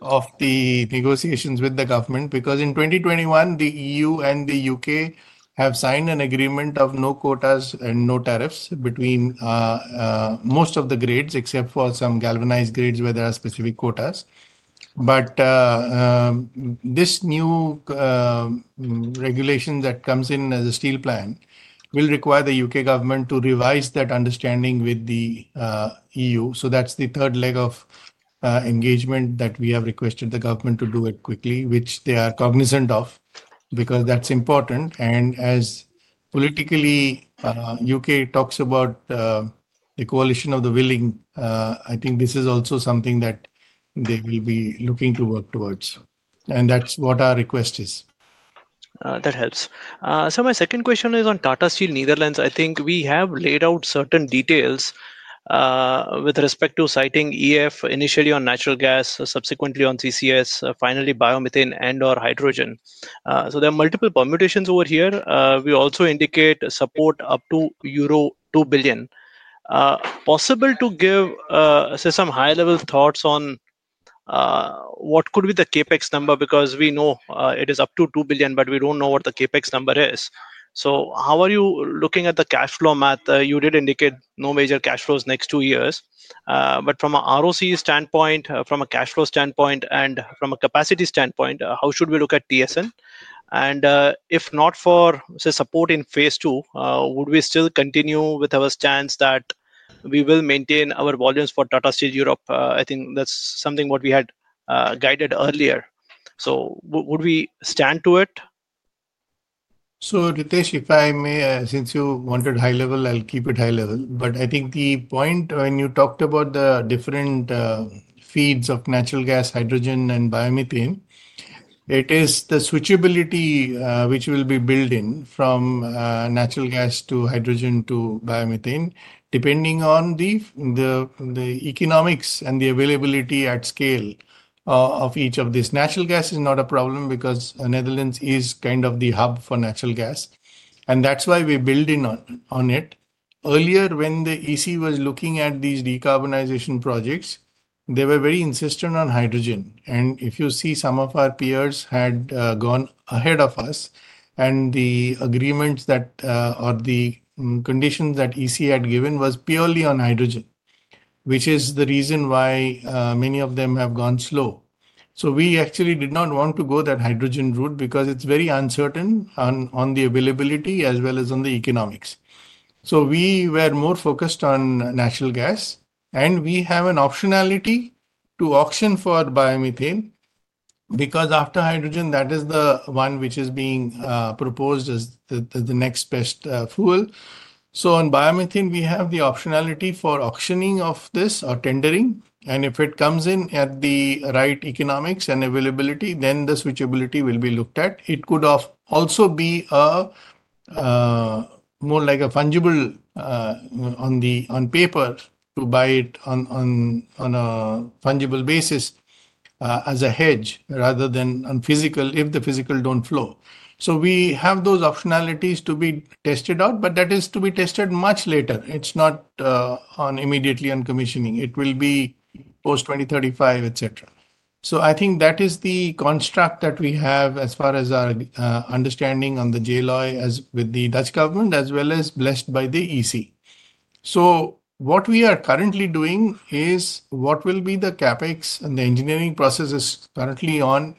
of the negotiations with the government because in 2021, the EU and the U.K. have signed an agreement of no quotas and no tariffs between most of the grades, except for some galvanized grades where there are specific quotas. This new regulation that comes in as a steel plan will require the U.K. government to revise that understanding with the EU. That's the third leg of engagement that we have requested the government to do it quickly, which they are cognizant of because that's important. As politically, U.K. talks about the coalition of the willing, I think this is also something that they will be looking to work towards. That's what our request is. That helps. My second question is on Tata Steel Netherlands. I think we have laid out certain details with respect to citing EAF initially on natural gas, subsequently on CCS, finally biomethane and/or hydrogen. There are multiple permutations over here. We also indicate support up to euro 2 billion. Possible to give some high-level thoughts on what could be the CapEx number because we know it is up to 2 billion, but we do not know what the CapEx number is. How are you looking at the cash flow math? You did indicate no major cash flows next two years. From an ROC standpoint, from a cash flow standpoint, and from a capacity standpoint, how should we look at TSN? If not for support in phase two, would we still continue with our stance that we will maintain our volumes for Tata Steel Europe? I think that's something what we had guided earlier. So would we stand to it? Ritesh, if I may, since you wanted high level, I'll keep it high level. I think the point when you talked about the different feeds of natural gas, hydrogen, and biomethane, it is the switchability which will be built in from natural gas to hydrogen to biomethane, depending on the economics and the availability at scale of each of these. Natural gas is not a problem because Netherlands is kind of the hub for natural gas. That is why we build in on it. Earlier, when the EC was looking at these decarbonization projects, they were very insistent on hydrogen. If you see some of our peers had gone ahead of us, and the agreements or the conditions that EC had given was purely on hydrogen, which is the reason why many of them have gone slow. We actually did not want to go that hydrogen route because it is very uncertain on the availability as well as on the economics. We were more focused on natural gas. We have an optionality to auction for biomethane because after hydrogen, that is the one which is being proposed as the next best fuel. On biomethane, we have the optionality for auctioning of this or tendering. If it comes in at the right economics and availability, then the switchability will be looked at. It could also be more like a fungible on paper to buy it on a fungible basis as a hedge rather than on physical if the physical does not flow. We have those optionalities to be tested out, but that is to be tested much later. It is not immediately on commissioning. It will be post 2035, etc. I think that is the construct that we have as far as our understanding on the JLOI with the Dutch government as well as blessed by the EC. What we are currently doing is what will be the CapEx and the engineering process is currently on.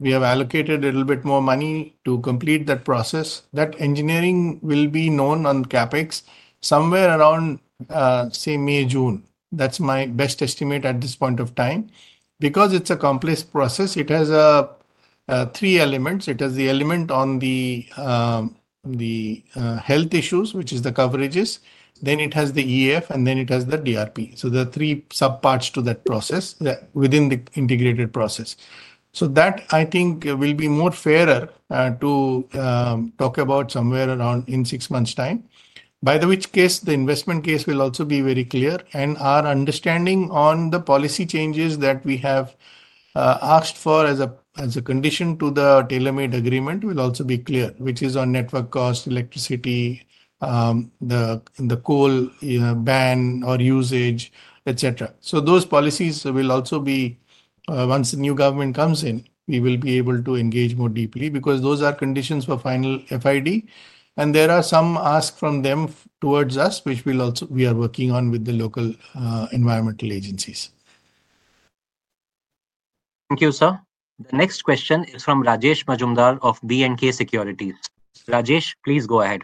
We have allocated a little bit more money to complete that process. That engineering will be known on CapEx somewhere around, say, May, June. That is my best estimate at this point of time. Because it is a complex process, it has three elements. It has the element on the health issues, which is the coverages. Then it has the EAF, and then it has the DRP. There are three subparts to that process within the integrated process. That, I think, will be more fairer to talk about somewhere around in six months' time, by which case the investment case will also be very clear. Our understanding on the policy changes that we have asked for as a condition to the tailor-made agreement will also be clear, which is on network cost, electricity, the coal ban or usage, etc. Those policies will also be, once the new government comes in, we will be able to engage more deeply because those are conditions for final FID. There are some asks from them towards us, which we are working on with the local environmental agencies. Thank you, sir. The next question is from Rajesh Majumdar of B&K Securities. Rajesh, please go ahead.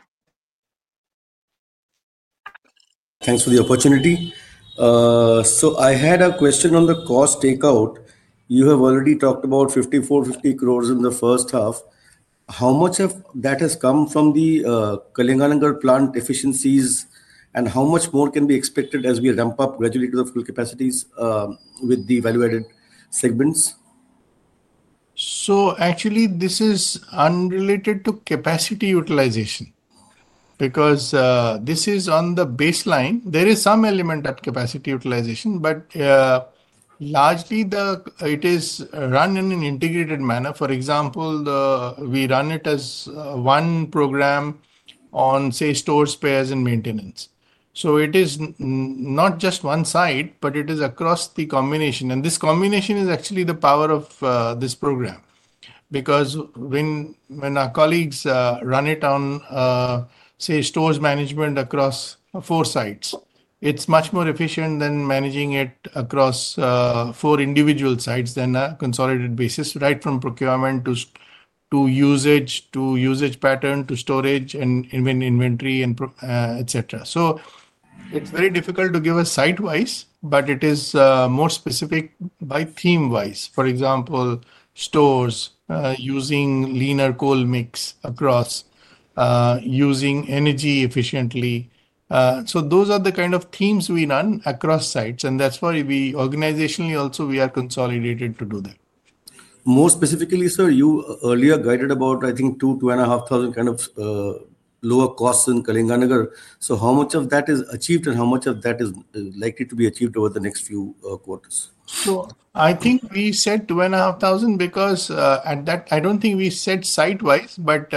Thanks for the opportunity. I had a question on the cost takeout. You have already talked about 5,450 crore in the first half. How much of that has come from the Kalinganagar plant efficiencies, and how much more can be expected as we ramp up gradually to the full capacities with the value-added segments? Actually, this is unrelated to capacity utilization because this is on the baseline. There is some element of capacity utilization, but largely, it is run in an integrated manner. For example, we run it as one program on, say, stores, spares, and maintenance. It is not just one side, but it is across the combination. This combination is actually the power of this program because when our colleagues run it on, say, stores management across four sites, it is much more efficient than managing it across four individual sites than a consolidated basis, right from procurement to usage to usage pattern to storage and inventory, etc. It is very difficult to give us site-wise, but it is more specific by theme-wise. For example, stores using leaner coal mix across, using energy efficiently. Those are the kind of themes we run across sites. That's why we organizationally also are consolidated to do that. More specifically, sir, you earlier guided about, I think, 2, 2 and a half thousand kind of lower costs in Kalinganagar. So how much of that is achieved, and how much of that is likely to be achieved over the next few quarters? I think we said 2,500 because at that, I do not think we said site-wise, but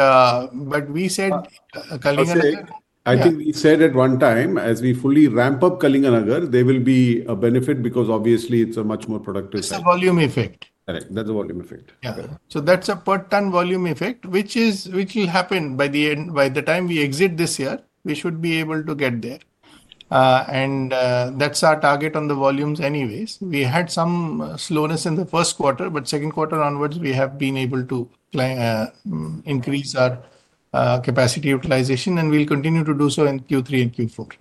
we said Kalinganagar. I think we said at one time, as we fully ramp up Kalinganagar, there will be a benefit because obviously, it's a much more productive site. It's a volume effect. Correct. That's a volume effect. Yeah. So that's a per ton volume effect, which will happen by the time we exit this year. We should be able to get there. That's our target on the volumes anyways. We had some slowness in the first quarter, but second quarter onwards, we have been able to increase our capacity utilization, and we'll continue to do so in Q3 and Q4.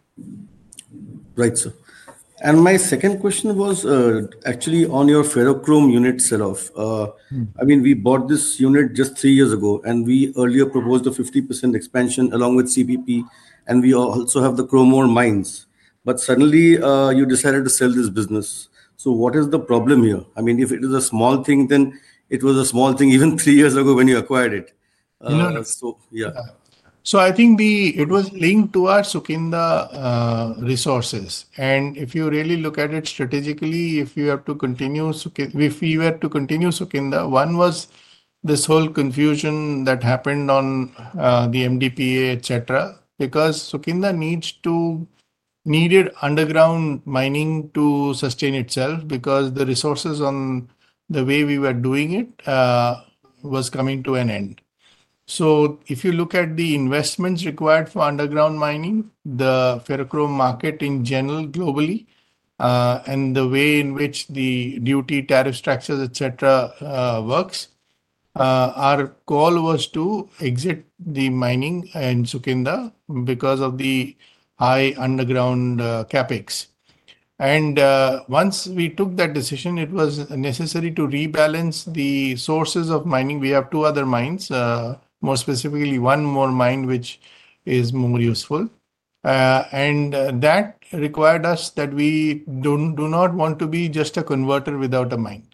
Right, sir. My second question was actually on your ferrochrome unit, Saraf. I mean, we bought this unit just three years ago, and we earlier proposed a 50% expansion along with CBP, and we also have the chrome ore mines. Suddenly, you decided to sell this business. What is the problem here? I mean, if it is a small thing, then it was a small thing even three years ago when you acquired it. I think it was linked to our Sukinda resources. If you really look at it strategically, if you have to continue, if you were to continue Sukinda, one was this whole confusion that happened on the MDPA, etc., because Sukinda needed underground mining to sustain itself because the resources on the way we were doing it was coming to an end. If you look at the investments required for underground mining, the ferrochrome market in general, globally, and the way in which the duty tariff structures, etc., works, our call was to exit the mining in Sukinda because of the high underground CapEx. Once we took that decision, it was necessary to rebalance the sources of mining. We have two other mines, more specifically, one more mine which is more useful. That required us that we do not want to be just a converter without a mine.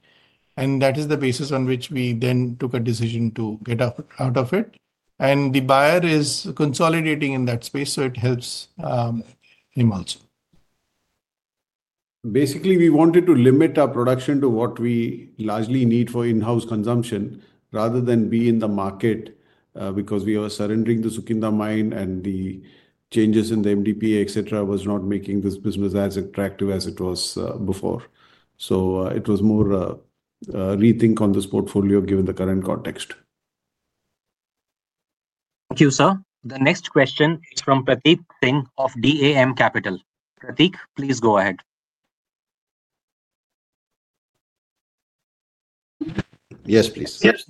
That is the basis on which we then took a decision to get out of it. The buyer is consolidating in that space, so it helps him also. Basically, we wanted to limit our production to what we largely need for in-house consumption rather than be in the market because we were surrendering the Sukinda mine and the changes in the MDPA, etc., was not making this business as attractive as it was before. It was more rethink on this portfolio given the current context. Thank you, sir. The next question is from Prateek Singh of DAM Capital. Prateek, please go ahead. Yes, please. Yes.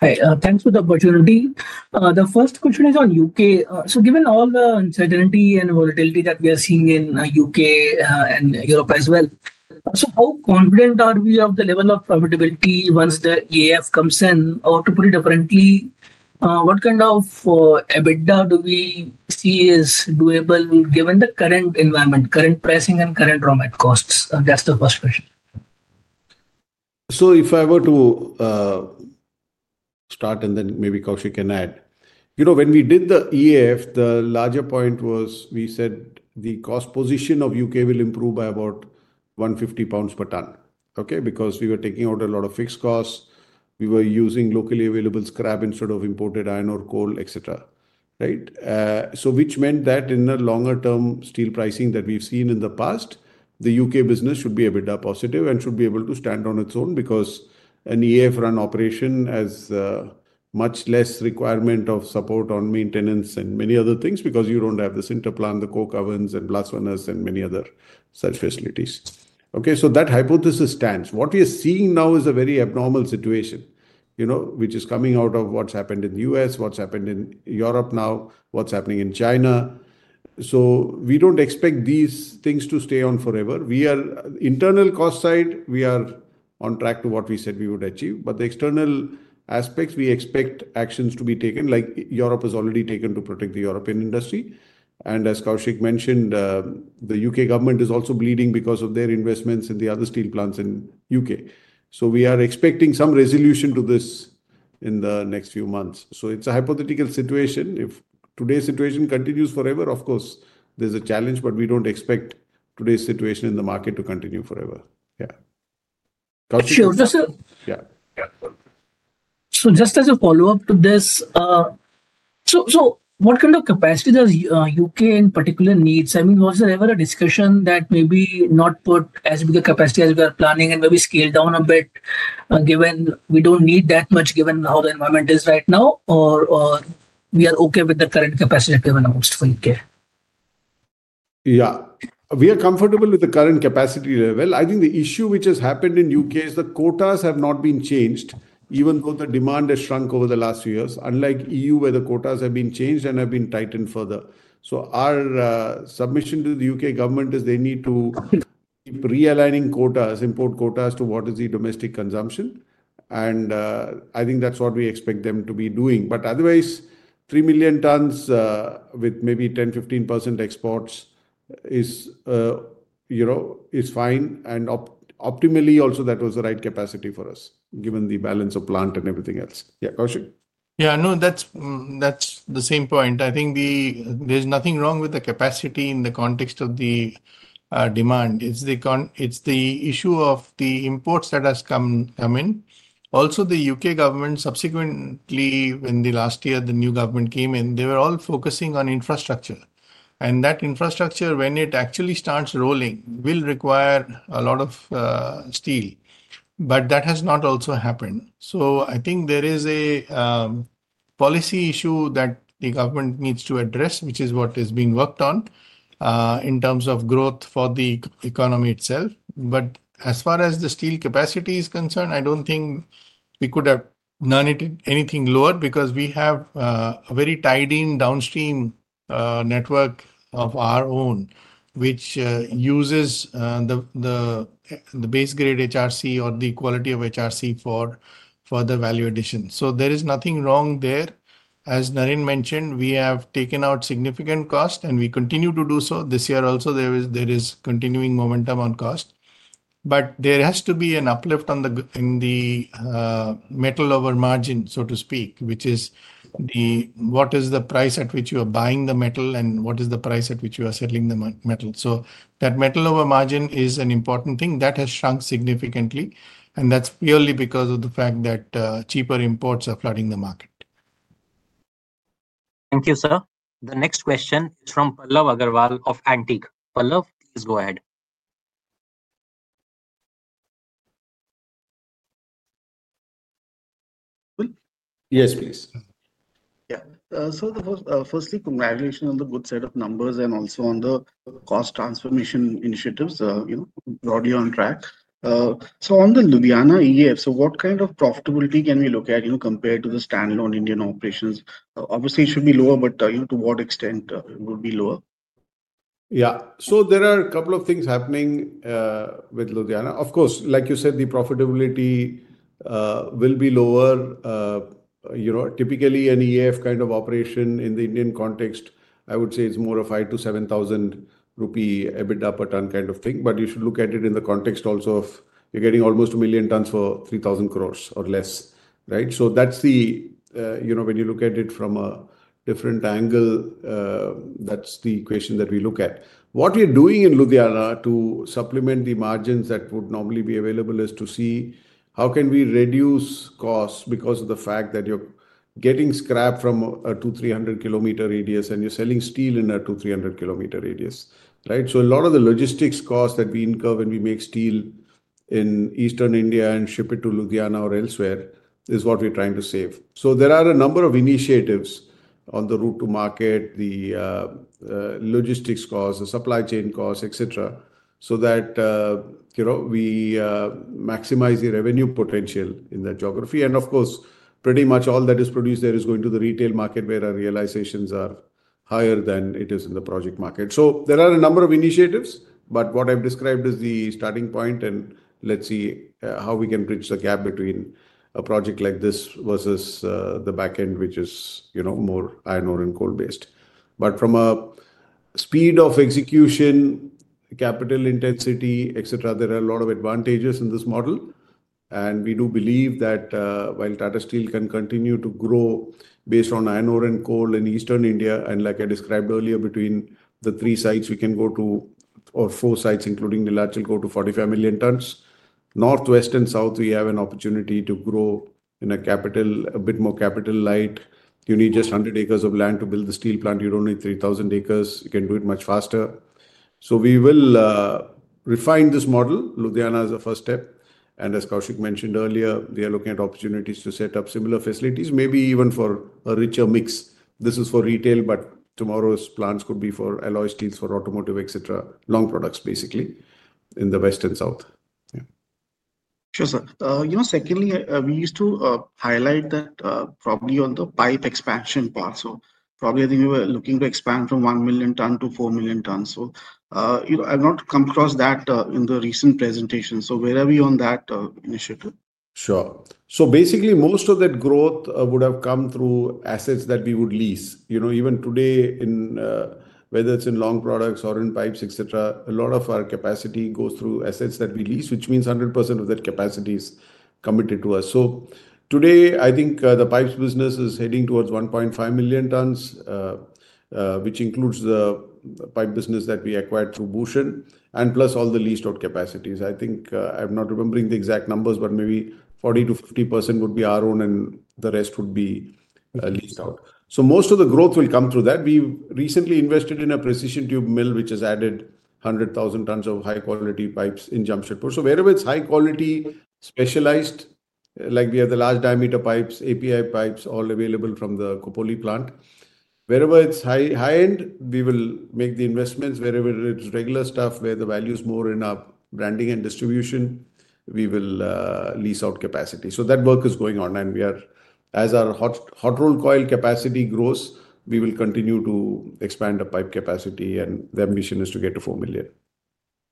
Hi. Thanks for the opportunity. The first question is on U.K. So given all the uncertainty and volatility that we are seeing in U.K. and Europe as well, how confident are we of the level of profitability once the EAF comes in? Or to put it differently, what kind of EBITDA do we see is doable given the current environment, current pricing, and current raw material costs? That's the first question. If I were to start, and then maybe Koushik can add, when we did the EAF, the larger point was we said the cost position of the U.K. will improve by about 150 pounds per ton, okay, because we were taking out a lot of fixed costs. We were using locally available scrap instead of imported iron ore, coal, etc., right? Which meant that in the longer-term steel pricing that we have seen in the past, the U.K. business should be EBITDA positive and should be able to stand on its own because an EAF-run operation has much less requirement of support on maintenance and many other things because you do not have the sinter plant, the coke ovens, and blast furnaces, and many other such facilities. Okay, so that hypothesis stands. What we are seeing now is a very abnormal situation, which is coming out of what's happened in the U.S., what's happened in Europe now, what's happening in China. We don't expect these things to stay on forever. We are, internal cost side, we are on track to what we said we would achieve. The external aspects, we expect actions to be taken, like Europe has already taken to protect the European industry. As Koushik mentioned, the U.K. government is also bleeding because of their investments in the other steel plants in the U.K. We are expecting some resolution to this in the next few months. It's a hypothetical situation. If today's situation continues forever, of course, there's a challenge, but we don't expect today's situation in the market to continue forever. Yeah. Sure. Just as a follow-up to this, what kind of capacity does the U.K. in particular need? I mean, was there ever a discussion that maybe not put as big a capacity as we are planning and maybe scaled down a bit given we do not need that much given how the environment is right now, or we are okay with the current capacity given out for the U.K.? Yeah. We are comfortable with the current capacity level. I think the issue which has happened in the U.K. is the quotas have not been changed, even though the demand has shrunk over the last few years, unlike the EU where the quotas have been changed and have been tightened further. Our submission to the U.K. government is they need to keep realigning quotas, import quotas to what is the domestic consumption. I think that's what we expect them to be doing. Otherwise, 3 million tons with maybe 10%-15% exports is fine. Optimally, also, that was the right capacity for us given the balance of plant and everything else. Yeah, Koushik? Yeah, no, that's the same point. I think there's nothing wrong with the capacity in the context of the demand. It's the issue of the imports that have come in. Also, the U.K. government subsequently, in the last year, the new government came in, they were all focusing on infrastructure. That infrastructure, when it actually starts rolling, will require a lot of steel. That has not also happened. I think there is a policy issue that the government needs to address, which is what is being worked on in terms of growth for the economy itself. As far as the steel capacity is concerned, I don't think we could have done anything lower because we have a very tied-in downstream network of our own, which uses the base-grade HRC or the quality of HRC for further value addition. There is nothing wrong there. As Naren mentioned, we have taken out significant cost, and we continue to do so. This year also, there is continuing momentum on cost. There has to be an uplift in the metal over margin, so to speak, which is what is the price at which you are buying the metal and what is the price at which you are selling the metal. That metal over margin is an important thing that has shrunk significantly. That is purely because of the fact that cheaper imports are flooding the market. Thank you, sir. The next question is from Pallav Agarwal of Antique. Pallav, please go ahead. Yes, please. Yeah. Firstly, congratulations on the good set of numbers and also on the cost transformation initiatives. Brought you on track. On the Ludhiana EF, what kind of profitability can we look at compared to the standalone Indian operations? Obviously, it should be lower, but to what extent would it be lower? Yeah. There are a couple of things happening with Ludhiana. Of course, like you said, the profitability will be lower. Typically, an EF kind of operation in the Indian context, I would say it is more of 5,000-7,000 rupee EBITDA per ton kind of thing. You should look at it in the context also of you are getting almost 1 million tons for 3,000 crore or less, right? When you look at it from a different angle, that is the equation that we look at. What we are doing in Ludhiana to supplement the margins that would normally be available is to see how can we reduce costs because of the fact that you're getting scrap from a 200 km-300 km radius and you're selling steel in a 200 km-300 km radius, right? A lot of the logistics costs that we incur when we make steel in Eastern India and ship it to Ludhiana or elsewhere is what we're trying to save. There are a number of initiatives on the route to market, the logistics costs, the supply chain costs, etc., so that we maximize the revenue potential in that geography. Of course, pretty much all that is produced there is going to the retail market where our realizations are higher than it is in the project market. There are a number of initiatives, but what I've described is the starting point, and let's see how we can bridge the gap between a project like this versus the backend, which is more iron ore and coal-based. From a speed of execution, capital intensity, etc., there are a lot of advantages in this model. We do believe that while Tata Steel can continue to grow based on iron ore and coal in Eastern India, and like I described earlier, between the three sites, we can go to or four sites, including Neelachal, go to 45 million tons. Northwest and south, we have an opportunity to grow in a capital a bit more capital light. You need just 100 acres of land to build the steel plant. You do not need 3,000 acres. You can do it much faster. We will refine this model. Ludhiana is a first step. As Koushik mentioned earlier, we are looking at opportunities to set up similar facilities, maybe even for a richer mix. This is for retail, but tomorrow's plants could be for alloy steels, for automotive, etc., long products, basically, in the west and south. Yeah. Sure, sir. Secondly, we used to highlight that probably on the pipe expansion part. I think we were looking to expand from 1 million ton-4 million tons. I have not come across that in the recent presentation. Where are we on that initiative? Sure. So basically, most of that growth would have come through assets that we would lease. Even today, whether it's in long products or in pipes, etc., a lot of our capacity goes through assets that we lease, which means 100% of that capacity is committed to us. Today, I think the pipes business is heading towards 1.5 million tons, which includes the pipe business that we acquired through Bhushan, and plus all the leased-out capacities. I think I'm not remembering the exact numbers, but maybe 40%-50% would be our own, and the rest would be leased out. Most of the growth will come through that. We recently invested in a precision tube mill, which has added 100,000 tons of high-quality pipes in Jamshedpur. Wherever it's high-quality, specialized, like we have the large diameter pipes, API pipes, all available from the Khopoli plant. Wherever it's high-end, we will make the investments. Wherever it's regular stuff, where the value is more in our branding and distribution, we will lease out capacity. That work is going on. As our hot-rolled coil capacity grows, we will continue to expand the pipe capacity, and the ambition is to get to 4 million.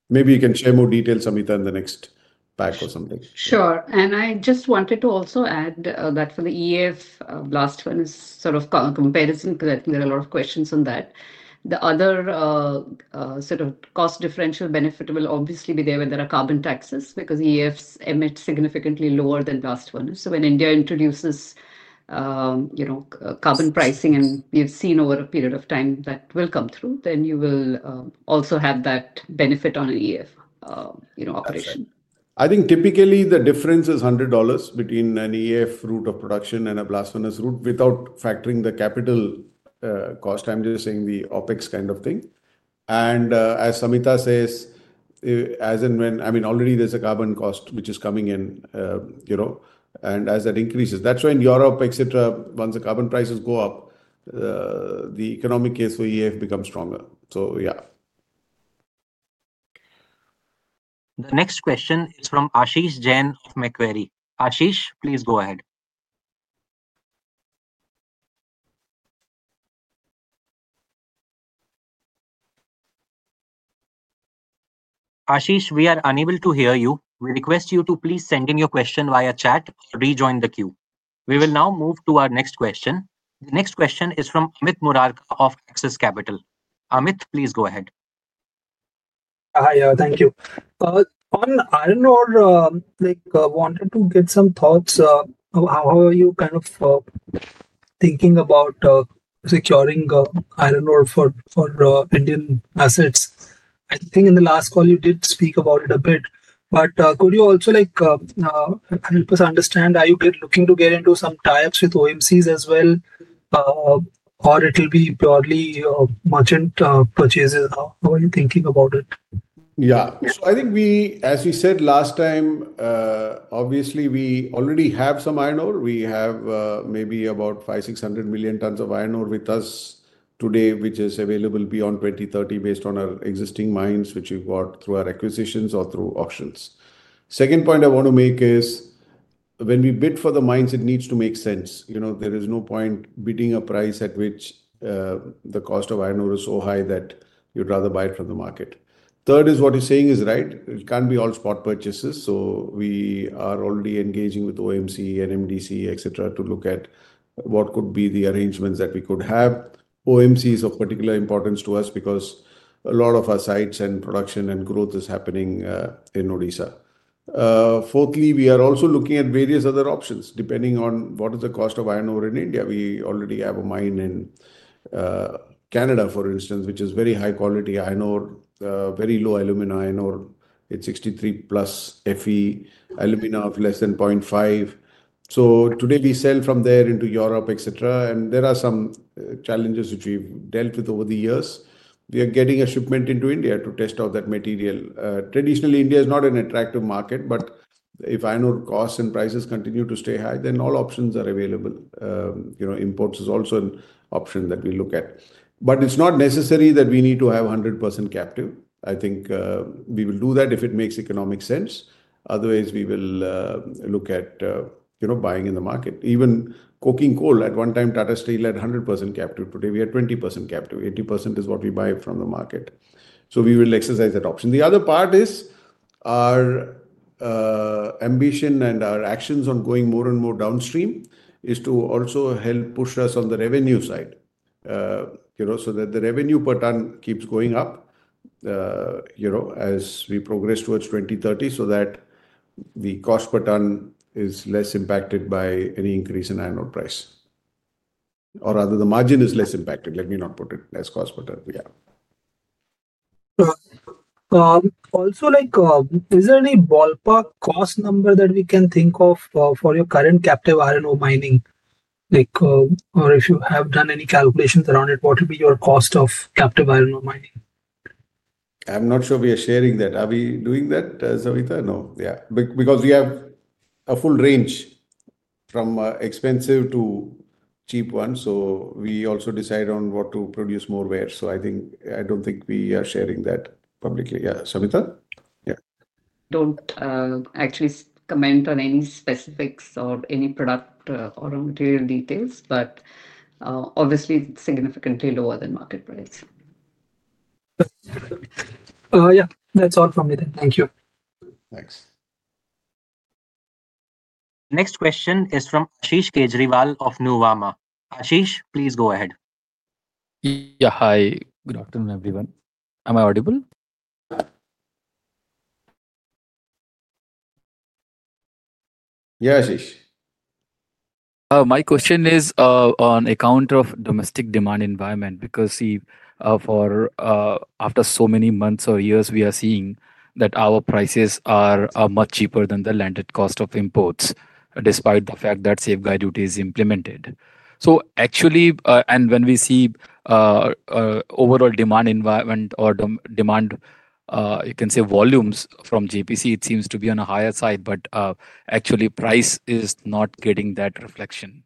Maybe you can share more details, Samita, in the next pack or something. Sure. I just wanted to also add that for the EAF, blast furnace sort of comparison, because I think there are a lot of questions on that. The other sort of cost differential benefit will obviously be there when there are carbon taxes because EAFs emit significantly lower than blast furnaces. When India introduces carbon pricing, and we have seen over a period of time that will come through, then you will also have that benefit on an EAF operation. I think typically the difference is $100 between an EAF route of production and a blast furnace route without factoring the capital cost. I'm just saying the OpEx kind of thing. And as Samita says, as and when, I mean, already there's a carbon cost which is coming in. And as that increases, that's why in Europe, etc., once the carbon prices go up, the economic case for EAF becomes stronger. So yeah. The next question is from Ashish Jain of Macquarie. Ashish, please go ahead. Ashish, we are unable to hear you. We request you to please send in your question via chat or rejoin the queue. We will now move to our next question. The next question is from Amit Murarka of Axis Capital. Amit, please go ahead. Hi. Thank you. On iron ore, wanted to get some thoughts on how are you kind of thinking about securing iron ore for Indian assets. I think in the last call, you did speak about it a bit. Could you also help us understand, are you looking to get into some tie-ups with OMCs as well, or it will be purely merchant purchases? How are you thinking about it? Yeah. I think we, as we said last time, obviously, we already have some iron ore. We have maybe about 500-600 million tons of iron ore with us today, which is available beyond 2030 based on our existing mines, which we have bought through our acquisitions or through auctions. The second point I want to make is when we bid for the mines, it needs to make sense. There is no point bidding a price at which the cost of iron ore is so high that you would rather buy it from the market. Third is what you are saying is right. It cannot be all spot purchases. We are already engaging with OMC and MDC, etc., to look at what could be the arrangements that we could have. OMC is of particular importance to us because a lot of our sites and production and growth is happening in Odisha. Fourthly, we are also looking at various other options depending on what is the cost of iron ore in India. We already have a mine in Canada, for instance, which is very high-quality iron ore, very low alumina iron ore. It is 63+ Fe alumina of less than 0.5. Today, we sell from there into Europe, etc. There are some challenges which we have dealt with over the years. We are getting a shipment into India to test out that material. Traditionally, India is not an attractive market, but if iron ore costs and prices continue to stay high, then all options are available. Imports is also an option that we look at. It is not necessary that we need to have 100% captive. I think we will do that if it makes economic sense. Otherwise, we will look at buying in the market. Even coking coal, at one time, Tata Steel had 100% captive. Today, we have 20% captive. 80% is what we buy from the market. We will exercise that option. The other part is our ambition and our actions on going more and more downstream is to also help push us on the revenue side so that the revenue per ton keeps going up as we progress towards 2030 so that the cost per ton is less impacted by any increase in iron ore price. Or rather, the margin is less impacted. Let me not put it as cost per ton. Yeah. Also, is there any ballpark cost number that we can think of for your current captive iron ore mining? Or if you have done any calculations around it, what would be your cost of captive iron ore mining? I'm not sure we are sharing that. Are we doing that, Samita? No. Yeah. Because we have a full range from expensive to cheap one. So we also decide on what to produce more where. I don't think we are sharing that publicly. Yeah. Samita? Yeah. Don't actually comment on any specifics or any product or material details, but obviously, significantly lower than market price. Yeah. That's all from me. Thank you. Thanks. Next question is from Ashish Kejriwal of Nuvama. Ashish, please go ahead. Yeah. Hi. Good afternoon, everyone. Am I audible? Yeah, Ashish. My question is on account of domestic demand environment because after so many months or years, we are seeing that our prices are much cheaper than the landed cost of imports despite the fact that safeguard duty is implemented. Actually, and when we see overall demand environment or demand, you can say volumes from JPC, it seems to be on a higher side, but actually, price is not getting that reflection.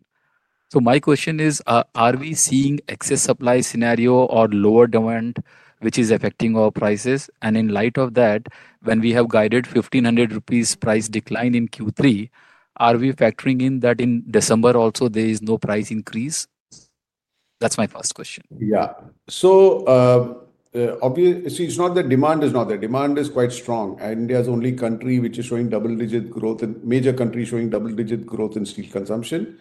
My question is, are we seeing excess supply scenario or lower demand, which is affecting our prices? In light of that, when we have guided 1,500 rupees price decline in Q3, are we factoring in that in December also, there is no price increase? That's my first question. Yeah. Obviously, it's not that demand is not there. Demand is quite strong. India is the only country which is showing double-digit growth and major country showing double-digit growth in steel consumption.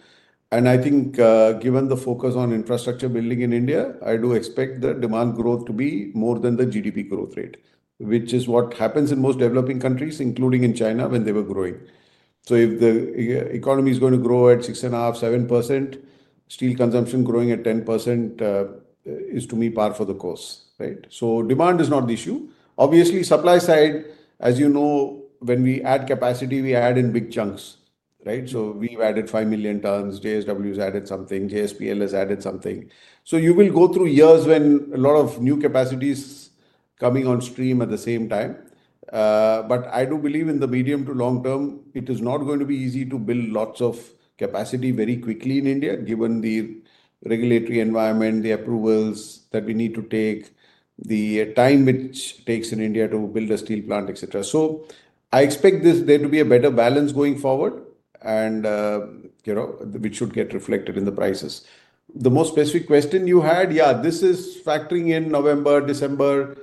I think given the focus on infrastructure building in India, I do expect the demand growth to be more than the GDP growth rate, which is what happens in most developing countries, including in China when they were growing. If the economy is going to grow at 6.5%-7%, steel consumption growing at 10% is, to me, par for the course, right? Demand is not the issue. Obviously, supply side, as you know, when we add capacity, we add in big chunks, right? We've added 5 million tons. JSW has added something. JSPL has added something. You will go through years when a lot of new capacity is coming on stream at the same time. I do believe in the medium to long term, it is not going to be easy to build lots of capacity very quickly in India, given the regulatory environment, the approvals that we need to take, the time which takes in India to build a steel plant, etc. I expect there to be a better balance going forward, which should get reflected in the prices. The more specific question you had, yeah, this is factoring in November, December.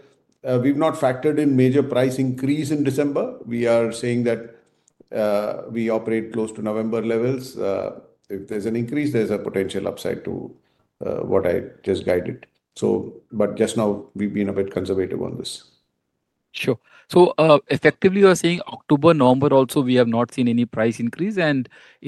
We have not factored in major price increase in December. We are saying that we operate close to November levels. If there is an increase, there is a potential upside to what I just guided. Just now, we have been a bit conservative on this. Sure. So effectively, you are saying October, November also, we have not seen any price increase. In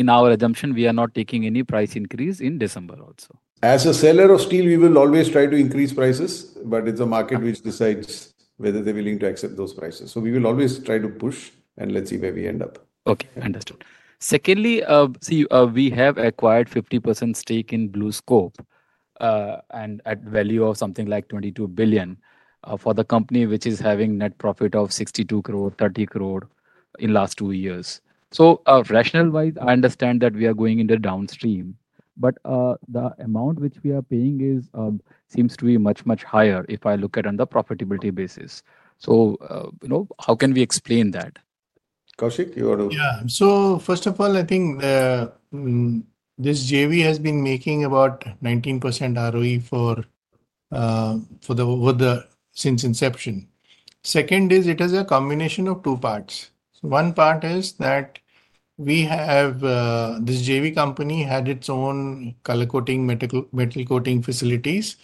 our assumption, we are not taking any price increase in December also. As a seller of steel, we will always try to increase prices, but it's a market which decides whether they're willing to accept those prices. We will always try to push, and let's see where we end up. Okay. Understood. Secondly, see, we have acquired 50% stake in BlueScope and at value of 22 billion for the company, which is having net profit of 62 crore, 30 crore in the last two years. Rational-wise, I understand that we are going into downstream, but the amount which we are paying seems to be much, much higher if I look at it on the profitability basis. How can we explain that? Koushik, you want to? Yeah. First of all, I think this JV has been making about 19% ROE since inception. Second is it is a combination of two parts. One part is that this JV company had its own color coating, metal coating facilities.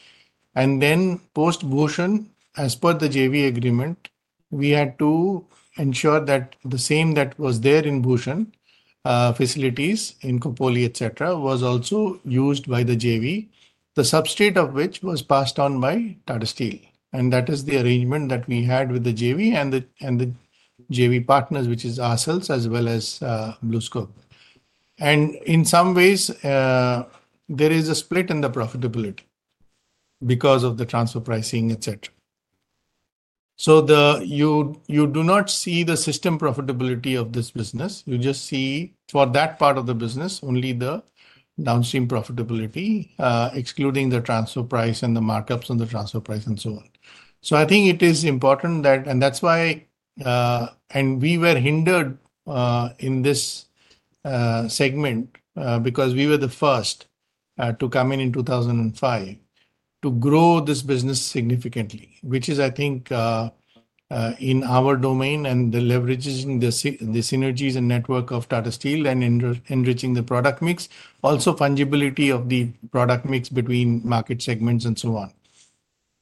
Then post-Bhushan, as per the JV agreement, we had to ensure that the same that was there in Bhushan, facilities in Kopali, etc., was also used by the JV, the substrate of which was passed on by Tata Steel. That is the arrangement that we had with the JV and the JV partners, which is ourselves as well as BlueScope. In some ways, there is a split in the profitability because of the transfer pricing, etc. You do not see the system profitability of this business. You just see for that part of the business, only the downstream profitability, excluding the transfer price and the markups on the transfer price and so on. I think it is important that, and that's why we were hindered in this segment because we were the first to come in in 2005 to grow this business significantly, which is, I think, in our domain and leveraging the synergies and network of Tata Steel and enriching the product mix, also fungibility of the product mix between market segments and so on.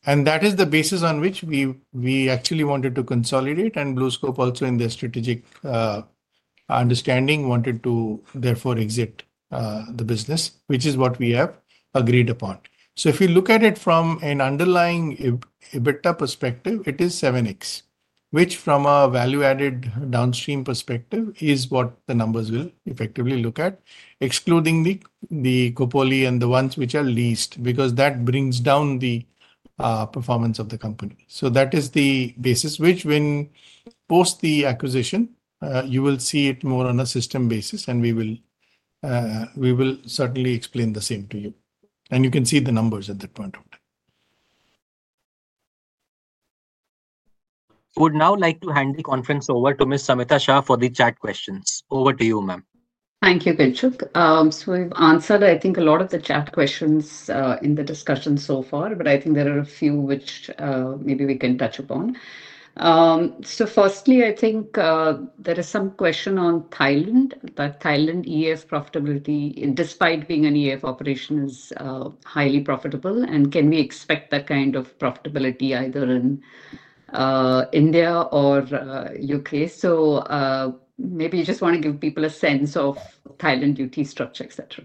That is the basis on which we actually wanted to consolidate. BlueScope also, in their strategic understanding, wanted to therefore exit the business, which is what we have agreed upon. If you look at it from an underlying EBITDA perspective, it is 7x, which from a value-added downstream perspective is what the numbers will effectively look at, excluding the Khopoli and the ones which are leased because that brings down the performance of the company. That is the basis, which when post the acquisition, you will see it more on a system basis, and we will certainly explain the same to you. You can see the numbers at that point of time. We would now like to hand the conference over to Ms. Samita Shah for the chat questions. Over to you, ma'am. Thank you, Kinshuk. We have answered, I think, a lot of the chat questions in the discussion so far, but I think there are a few which maybe we can touch upon. Firstly, I think there is some question on Thailand, that Thailand EAF profitability, despite being an EAF operation, is highly profitable, and can we expect that kind of profitability either in India or U.K.? Maybe you just want to give people a sense of Thailand duty structure, etc.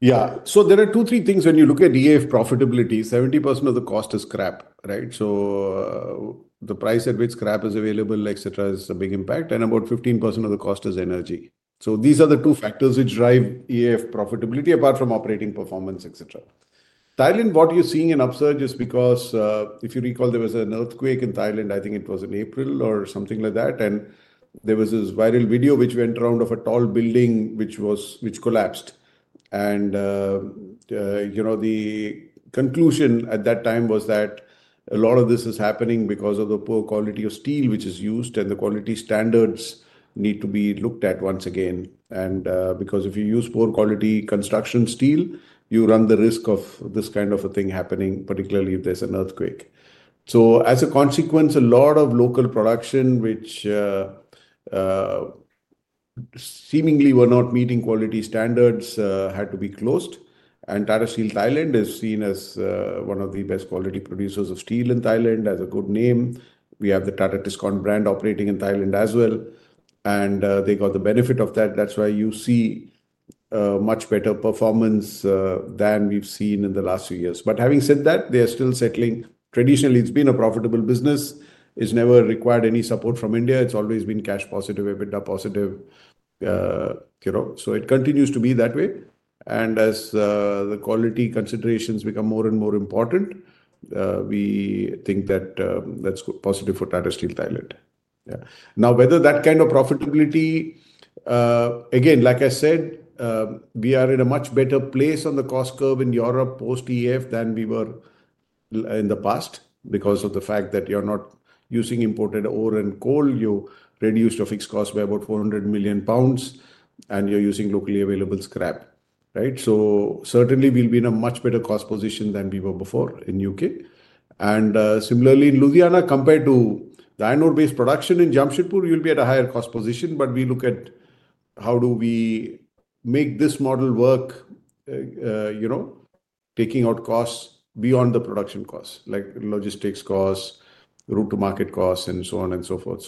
Yeah. There are two, three things. When you look at EAF profitability, 70% of the cost is scrap, right? The price at which scrap is available, etc., is a big impact. About 15% of the cost is energy. These are the two factors which drive EAF profitability apart from operating performance, etc. Thailand, what you are seeing in upsurge is because, if you recall, there was an earthquake in Thailand, I think it was in April or something like that. There was this viral video which went around of a tall building which collapsed. The conclusion at that time was that a lot of this is happening because of the poor quality of steel which is used, and the quality standards need to be looked at once again. If you use poor quality construction steel, you run the risk of this kind of a thing happening, particularly if there is an earthquake. As a consequence, a lot of local production which seemingly were not meeting quality standards had to be closed. Tata Steel Thailand is seen as one of the best quality producers of steel in Thailand and has a good name. We have the Tata Tiscon brand operating in Thailand as well. They got the benefit of that. That is why you see much better performance than we have seen in the last few years. Having said that, they are still settling. Traditionally, it has been a profitable business. It has never required any support from India. It has always been cash positive, EBITDA positive. It continues to be that way. As the quality considerations become more and more important, we think that that's positive for Tata Steel Thailand. Now, whether that kind of profitability, again, like I said, we are in a much better place on the cost curve in Europe post-EAF than we were in the past because of the fact that you're not using imported ore and coal. You reduced your fixed cost by about 400 million pounds, and you're using locally available scrap, right? Certainly, we'll be in a much better cost position than we were before in the U.K. Similarly, in Ludhiana, compared to the iron ore-based production in Jamshedpur, you'll be at a higher cost position. We look at how do we make this model work, taking out costs beyond the production cost, like logistics costs, route-to-market costs, and so on and so forth.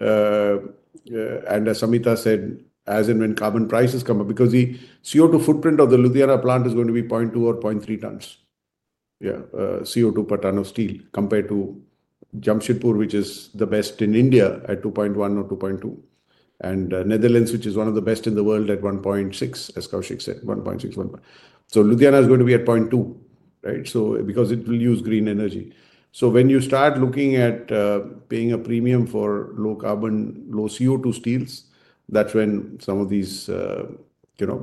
As Samita said, as and when carbon prices come up, because the CO2 footprint of the Ludhiana plant is going to be 0.2 or 0.3 tons CO2 per ton of steel compared to Jamshedpur, which is the best in India at 2.1 or 2.2, and Netherlands, which is one of the best in the world at 1.6, as Koushik said, 1.6, 1. Ludhiana is going to be at 0.2, right? It will use green energy. When you start looking at paying a premium for low carbon, low CO2 steels, that is when some of these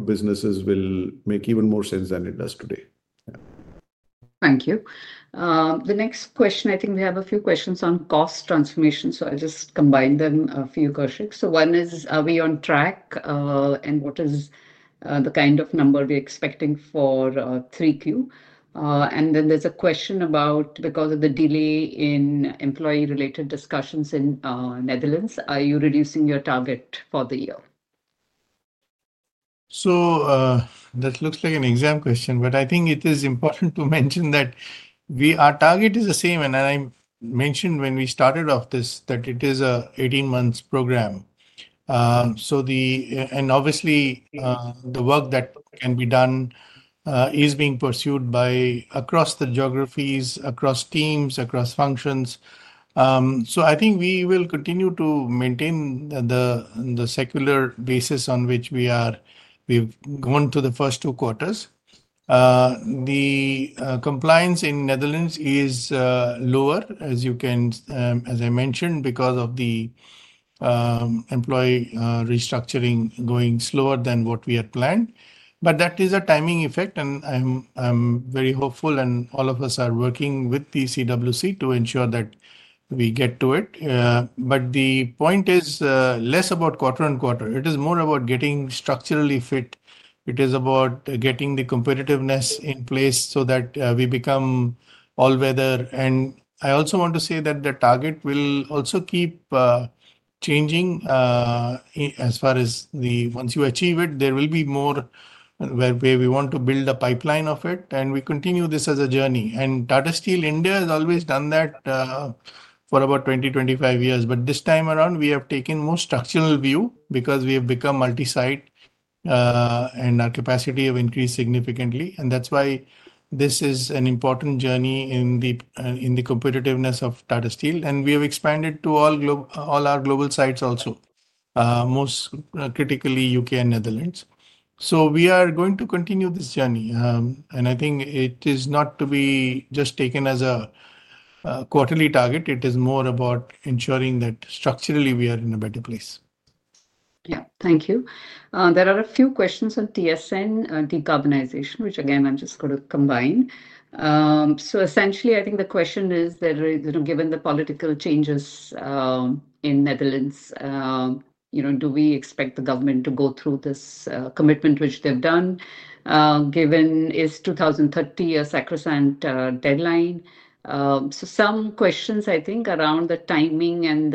businesses will make even more sense than it does today. Thank you. The next question, I think we have a few questions on cost transformation. I will just combine them for you, Koushik. One is, are we on track? What is the kind of number we are expecting for 3Q? There is a question about, because of the delay in employee-related discussions in Netherlands, are you reducing your target for the year? That looks like an exam question, but I think it is important to mention that our target is the same. I mentioned when we started off this that it is an 18-month program. Obviously, the work that can be done is being pursued across the geographies, across teams, across functions. I think we will continue to maintain the secular basis on which we've gone through the first two quarters. The compliance in Netherlands is lower, as you can, as I mentioned, because of the employee restructuring going slower than what we had planned. That is a timing effect. I am very hopeful, and all of us are working with the CWC to ensure that we get to it. The point is less about quarter on quarter. It is more about getting structurally fit. It is about getting the competitiveness in place so that we become all-weather. I also want to say that the target will also keep changing as far as once you achieve it, there will be more where we want to build a pipeline of it. We continue this as a journey. Tata Steel India has always done that for about 20-25 years. This time around, we have taken a more structural view because we have become multi-site, and our capacity has increased significantly. That is why this is an important journey in the competitiveness of Tata Steel. We have expanded to all our global sites also, most critically, U.K. and Netherlands. We are going to continue this journey. I think it is not to be just taken as a quarterly target. It is more about ensuring that structurally, we are in a better place. Yeah. Thank you. There are a few questions on TSN decarbonization, which, again, I'm just going to combine. Essentially, I think the question is, given the political changes in Netherlands, do we expect the government to go through this commitment which they've done given it's 2030, a sacrosanct deadline? Some questions, I think, around the timing and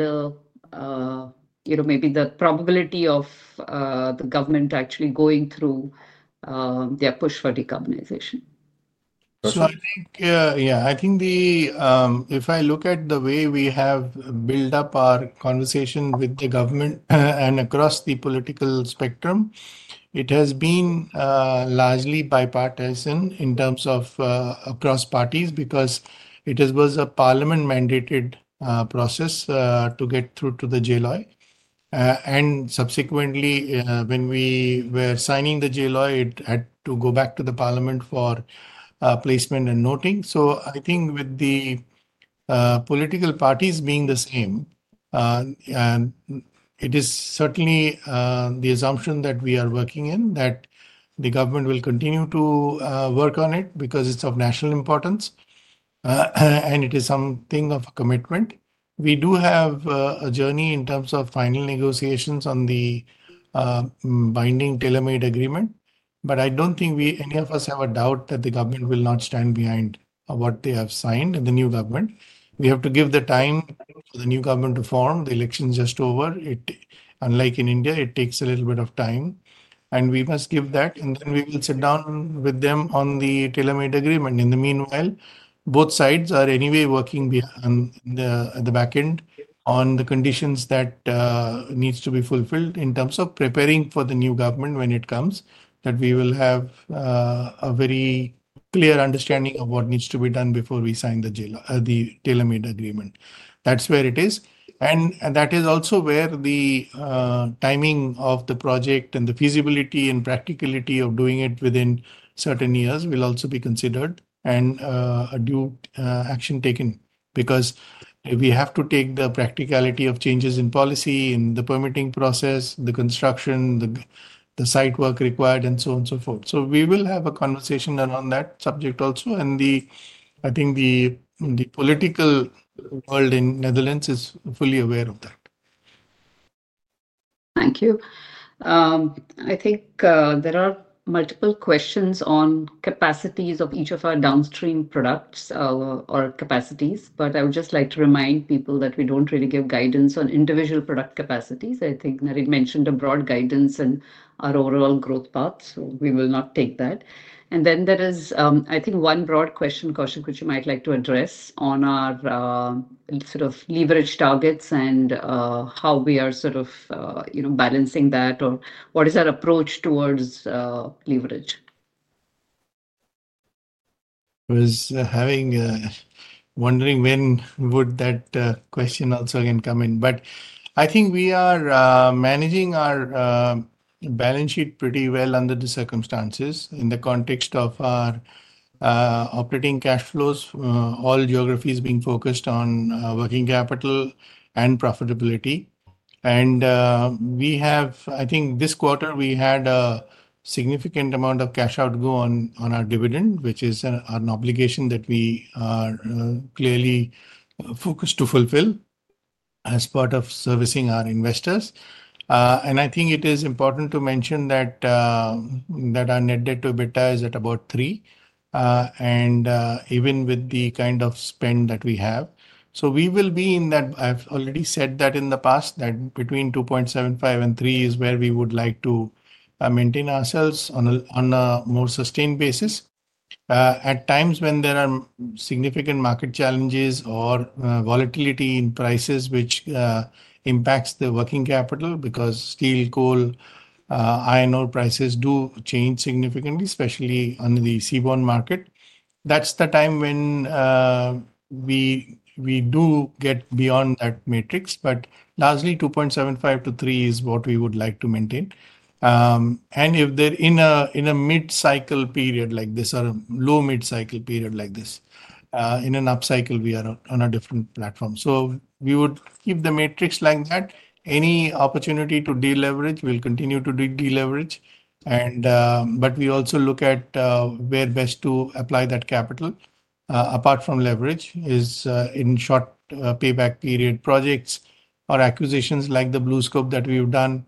maybe the probability of the government actually going through their push for decarbonization. I think if I look at the way we have built up our conversation with the government and across the political spectrum, it has been largely bipartisan in terms of across parties because it was a Parliament-mandated process to get through to the JLOI. Subsequently, when we were signing the JLOI, it had to go back to the Parliament for placement and noting. I think with the political parties being the same, it is certainly the assumption that we are working in that the government will continue to work on it because it's of national importance, and it is something of a commitment. We do have a journey in terms of final negotiations on the binding tailor-made agreement. I don't think any of us have a doubt that the government will not stand behind what they have signed in the new government. We have to give the time for the new government to form. The election's just over. Unlike in India, it takes a little bit of time. We must give that. Then we will sit down with them on the tailor-made agreement. In the meanwhile, both sides are anyway working at the back end on the conditions that need to be fulfilled in terms of preparing for the new government when it comes, that we will have a very clear understanding of what needs to be done before we sign the tailor-made agreement. That's where it is. That is also where the timing of the project and the feasibility and practicality of doing it within certain years will also be considered and a due action taken because we have to take the practicality of changes in policy, in the permitting process, the construction, the site work required, and so on and so forth. We will have a conversation around that subject also. I think the political world in Netherlands is fully aware of that. Thank you. I think there are multiple questions on capacities of each of our downstream products or capacities. I would just like to remind people that we do not really give guidance on individual product capacities. I think Naren mentioned a broad guidance and our overall growth path. We will not take that. There is, I think, one broad question, Koushik, which you might like to address on our sort of leverage targets and how we are sort of balancing that or what is our approach towards leverage. I was wondering when would that question also can come in. I think we are managing our balance sheet pretty well under the circumstances in the context of our operating cash flows, all geographies being focused on working capital and profitability. I think this quarter, we had a significant amount of cash outgo on our dividend, which is an obligation that we are clearly focused to fulfill as part of servicing our investors. I think it is important to mention that our net debt to EBITDA is at about 3, even with the kind of spend that we have. We will be in that. I've already said that in the past that between 2.75 and 3 is where we would like to maintain ourselves on a more sustained basis. At times when there are significant market challenges or volatility in prices, which impacts the working capital because steel, coal, iron ore prices do change significantly, especially on the seaborne market, that's the time when we do get beyond that matrix. Largely, 2.75-3 is what we would like to maintain. If they are in a mid-cycle period like this or a low mid-cycle period like this, in an upcycle, we are on a different platform. We would keep the matrix like that. Any opportunity to deleverage, we will continue to deleverage. We also look at where best to apply that capital. Apart from leverage, it is in short payback period projects or acquisitions like the BlueScope that we've done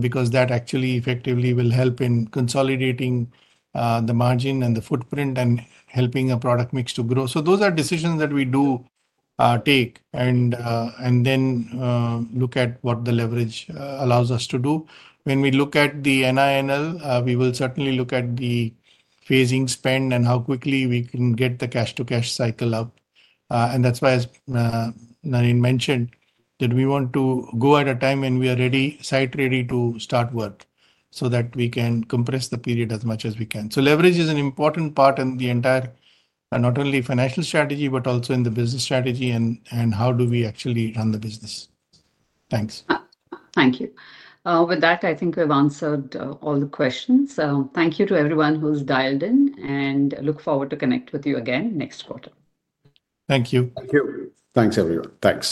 because that actually effectively will help in consolidating the margin and the footprint and helping a product mix to grow. Those are decisions that we do take and then look at what the leverage allows us to do. When we look at the NINL, we will certainly look at the phasing spend and how quickly we can get the cash-to-cash cycle up. That is why, as Narin mentioned, we want to go at a time when we are site ready to start work so that we can compress the period as much as we can. Leverage is an important part in the entire, not only financial strategy, but also in the business strategy and how we actually run the business. Thanks. Thank you. With that, I think we've answered all the questions. Thank you to everyone who's dialed in, and look forward to connect with you again next quarter. Thank you. Thank you. Thanks, everyone. Thanks.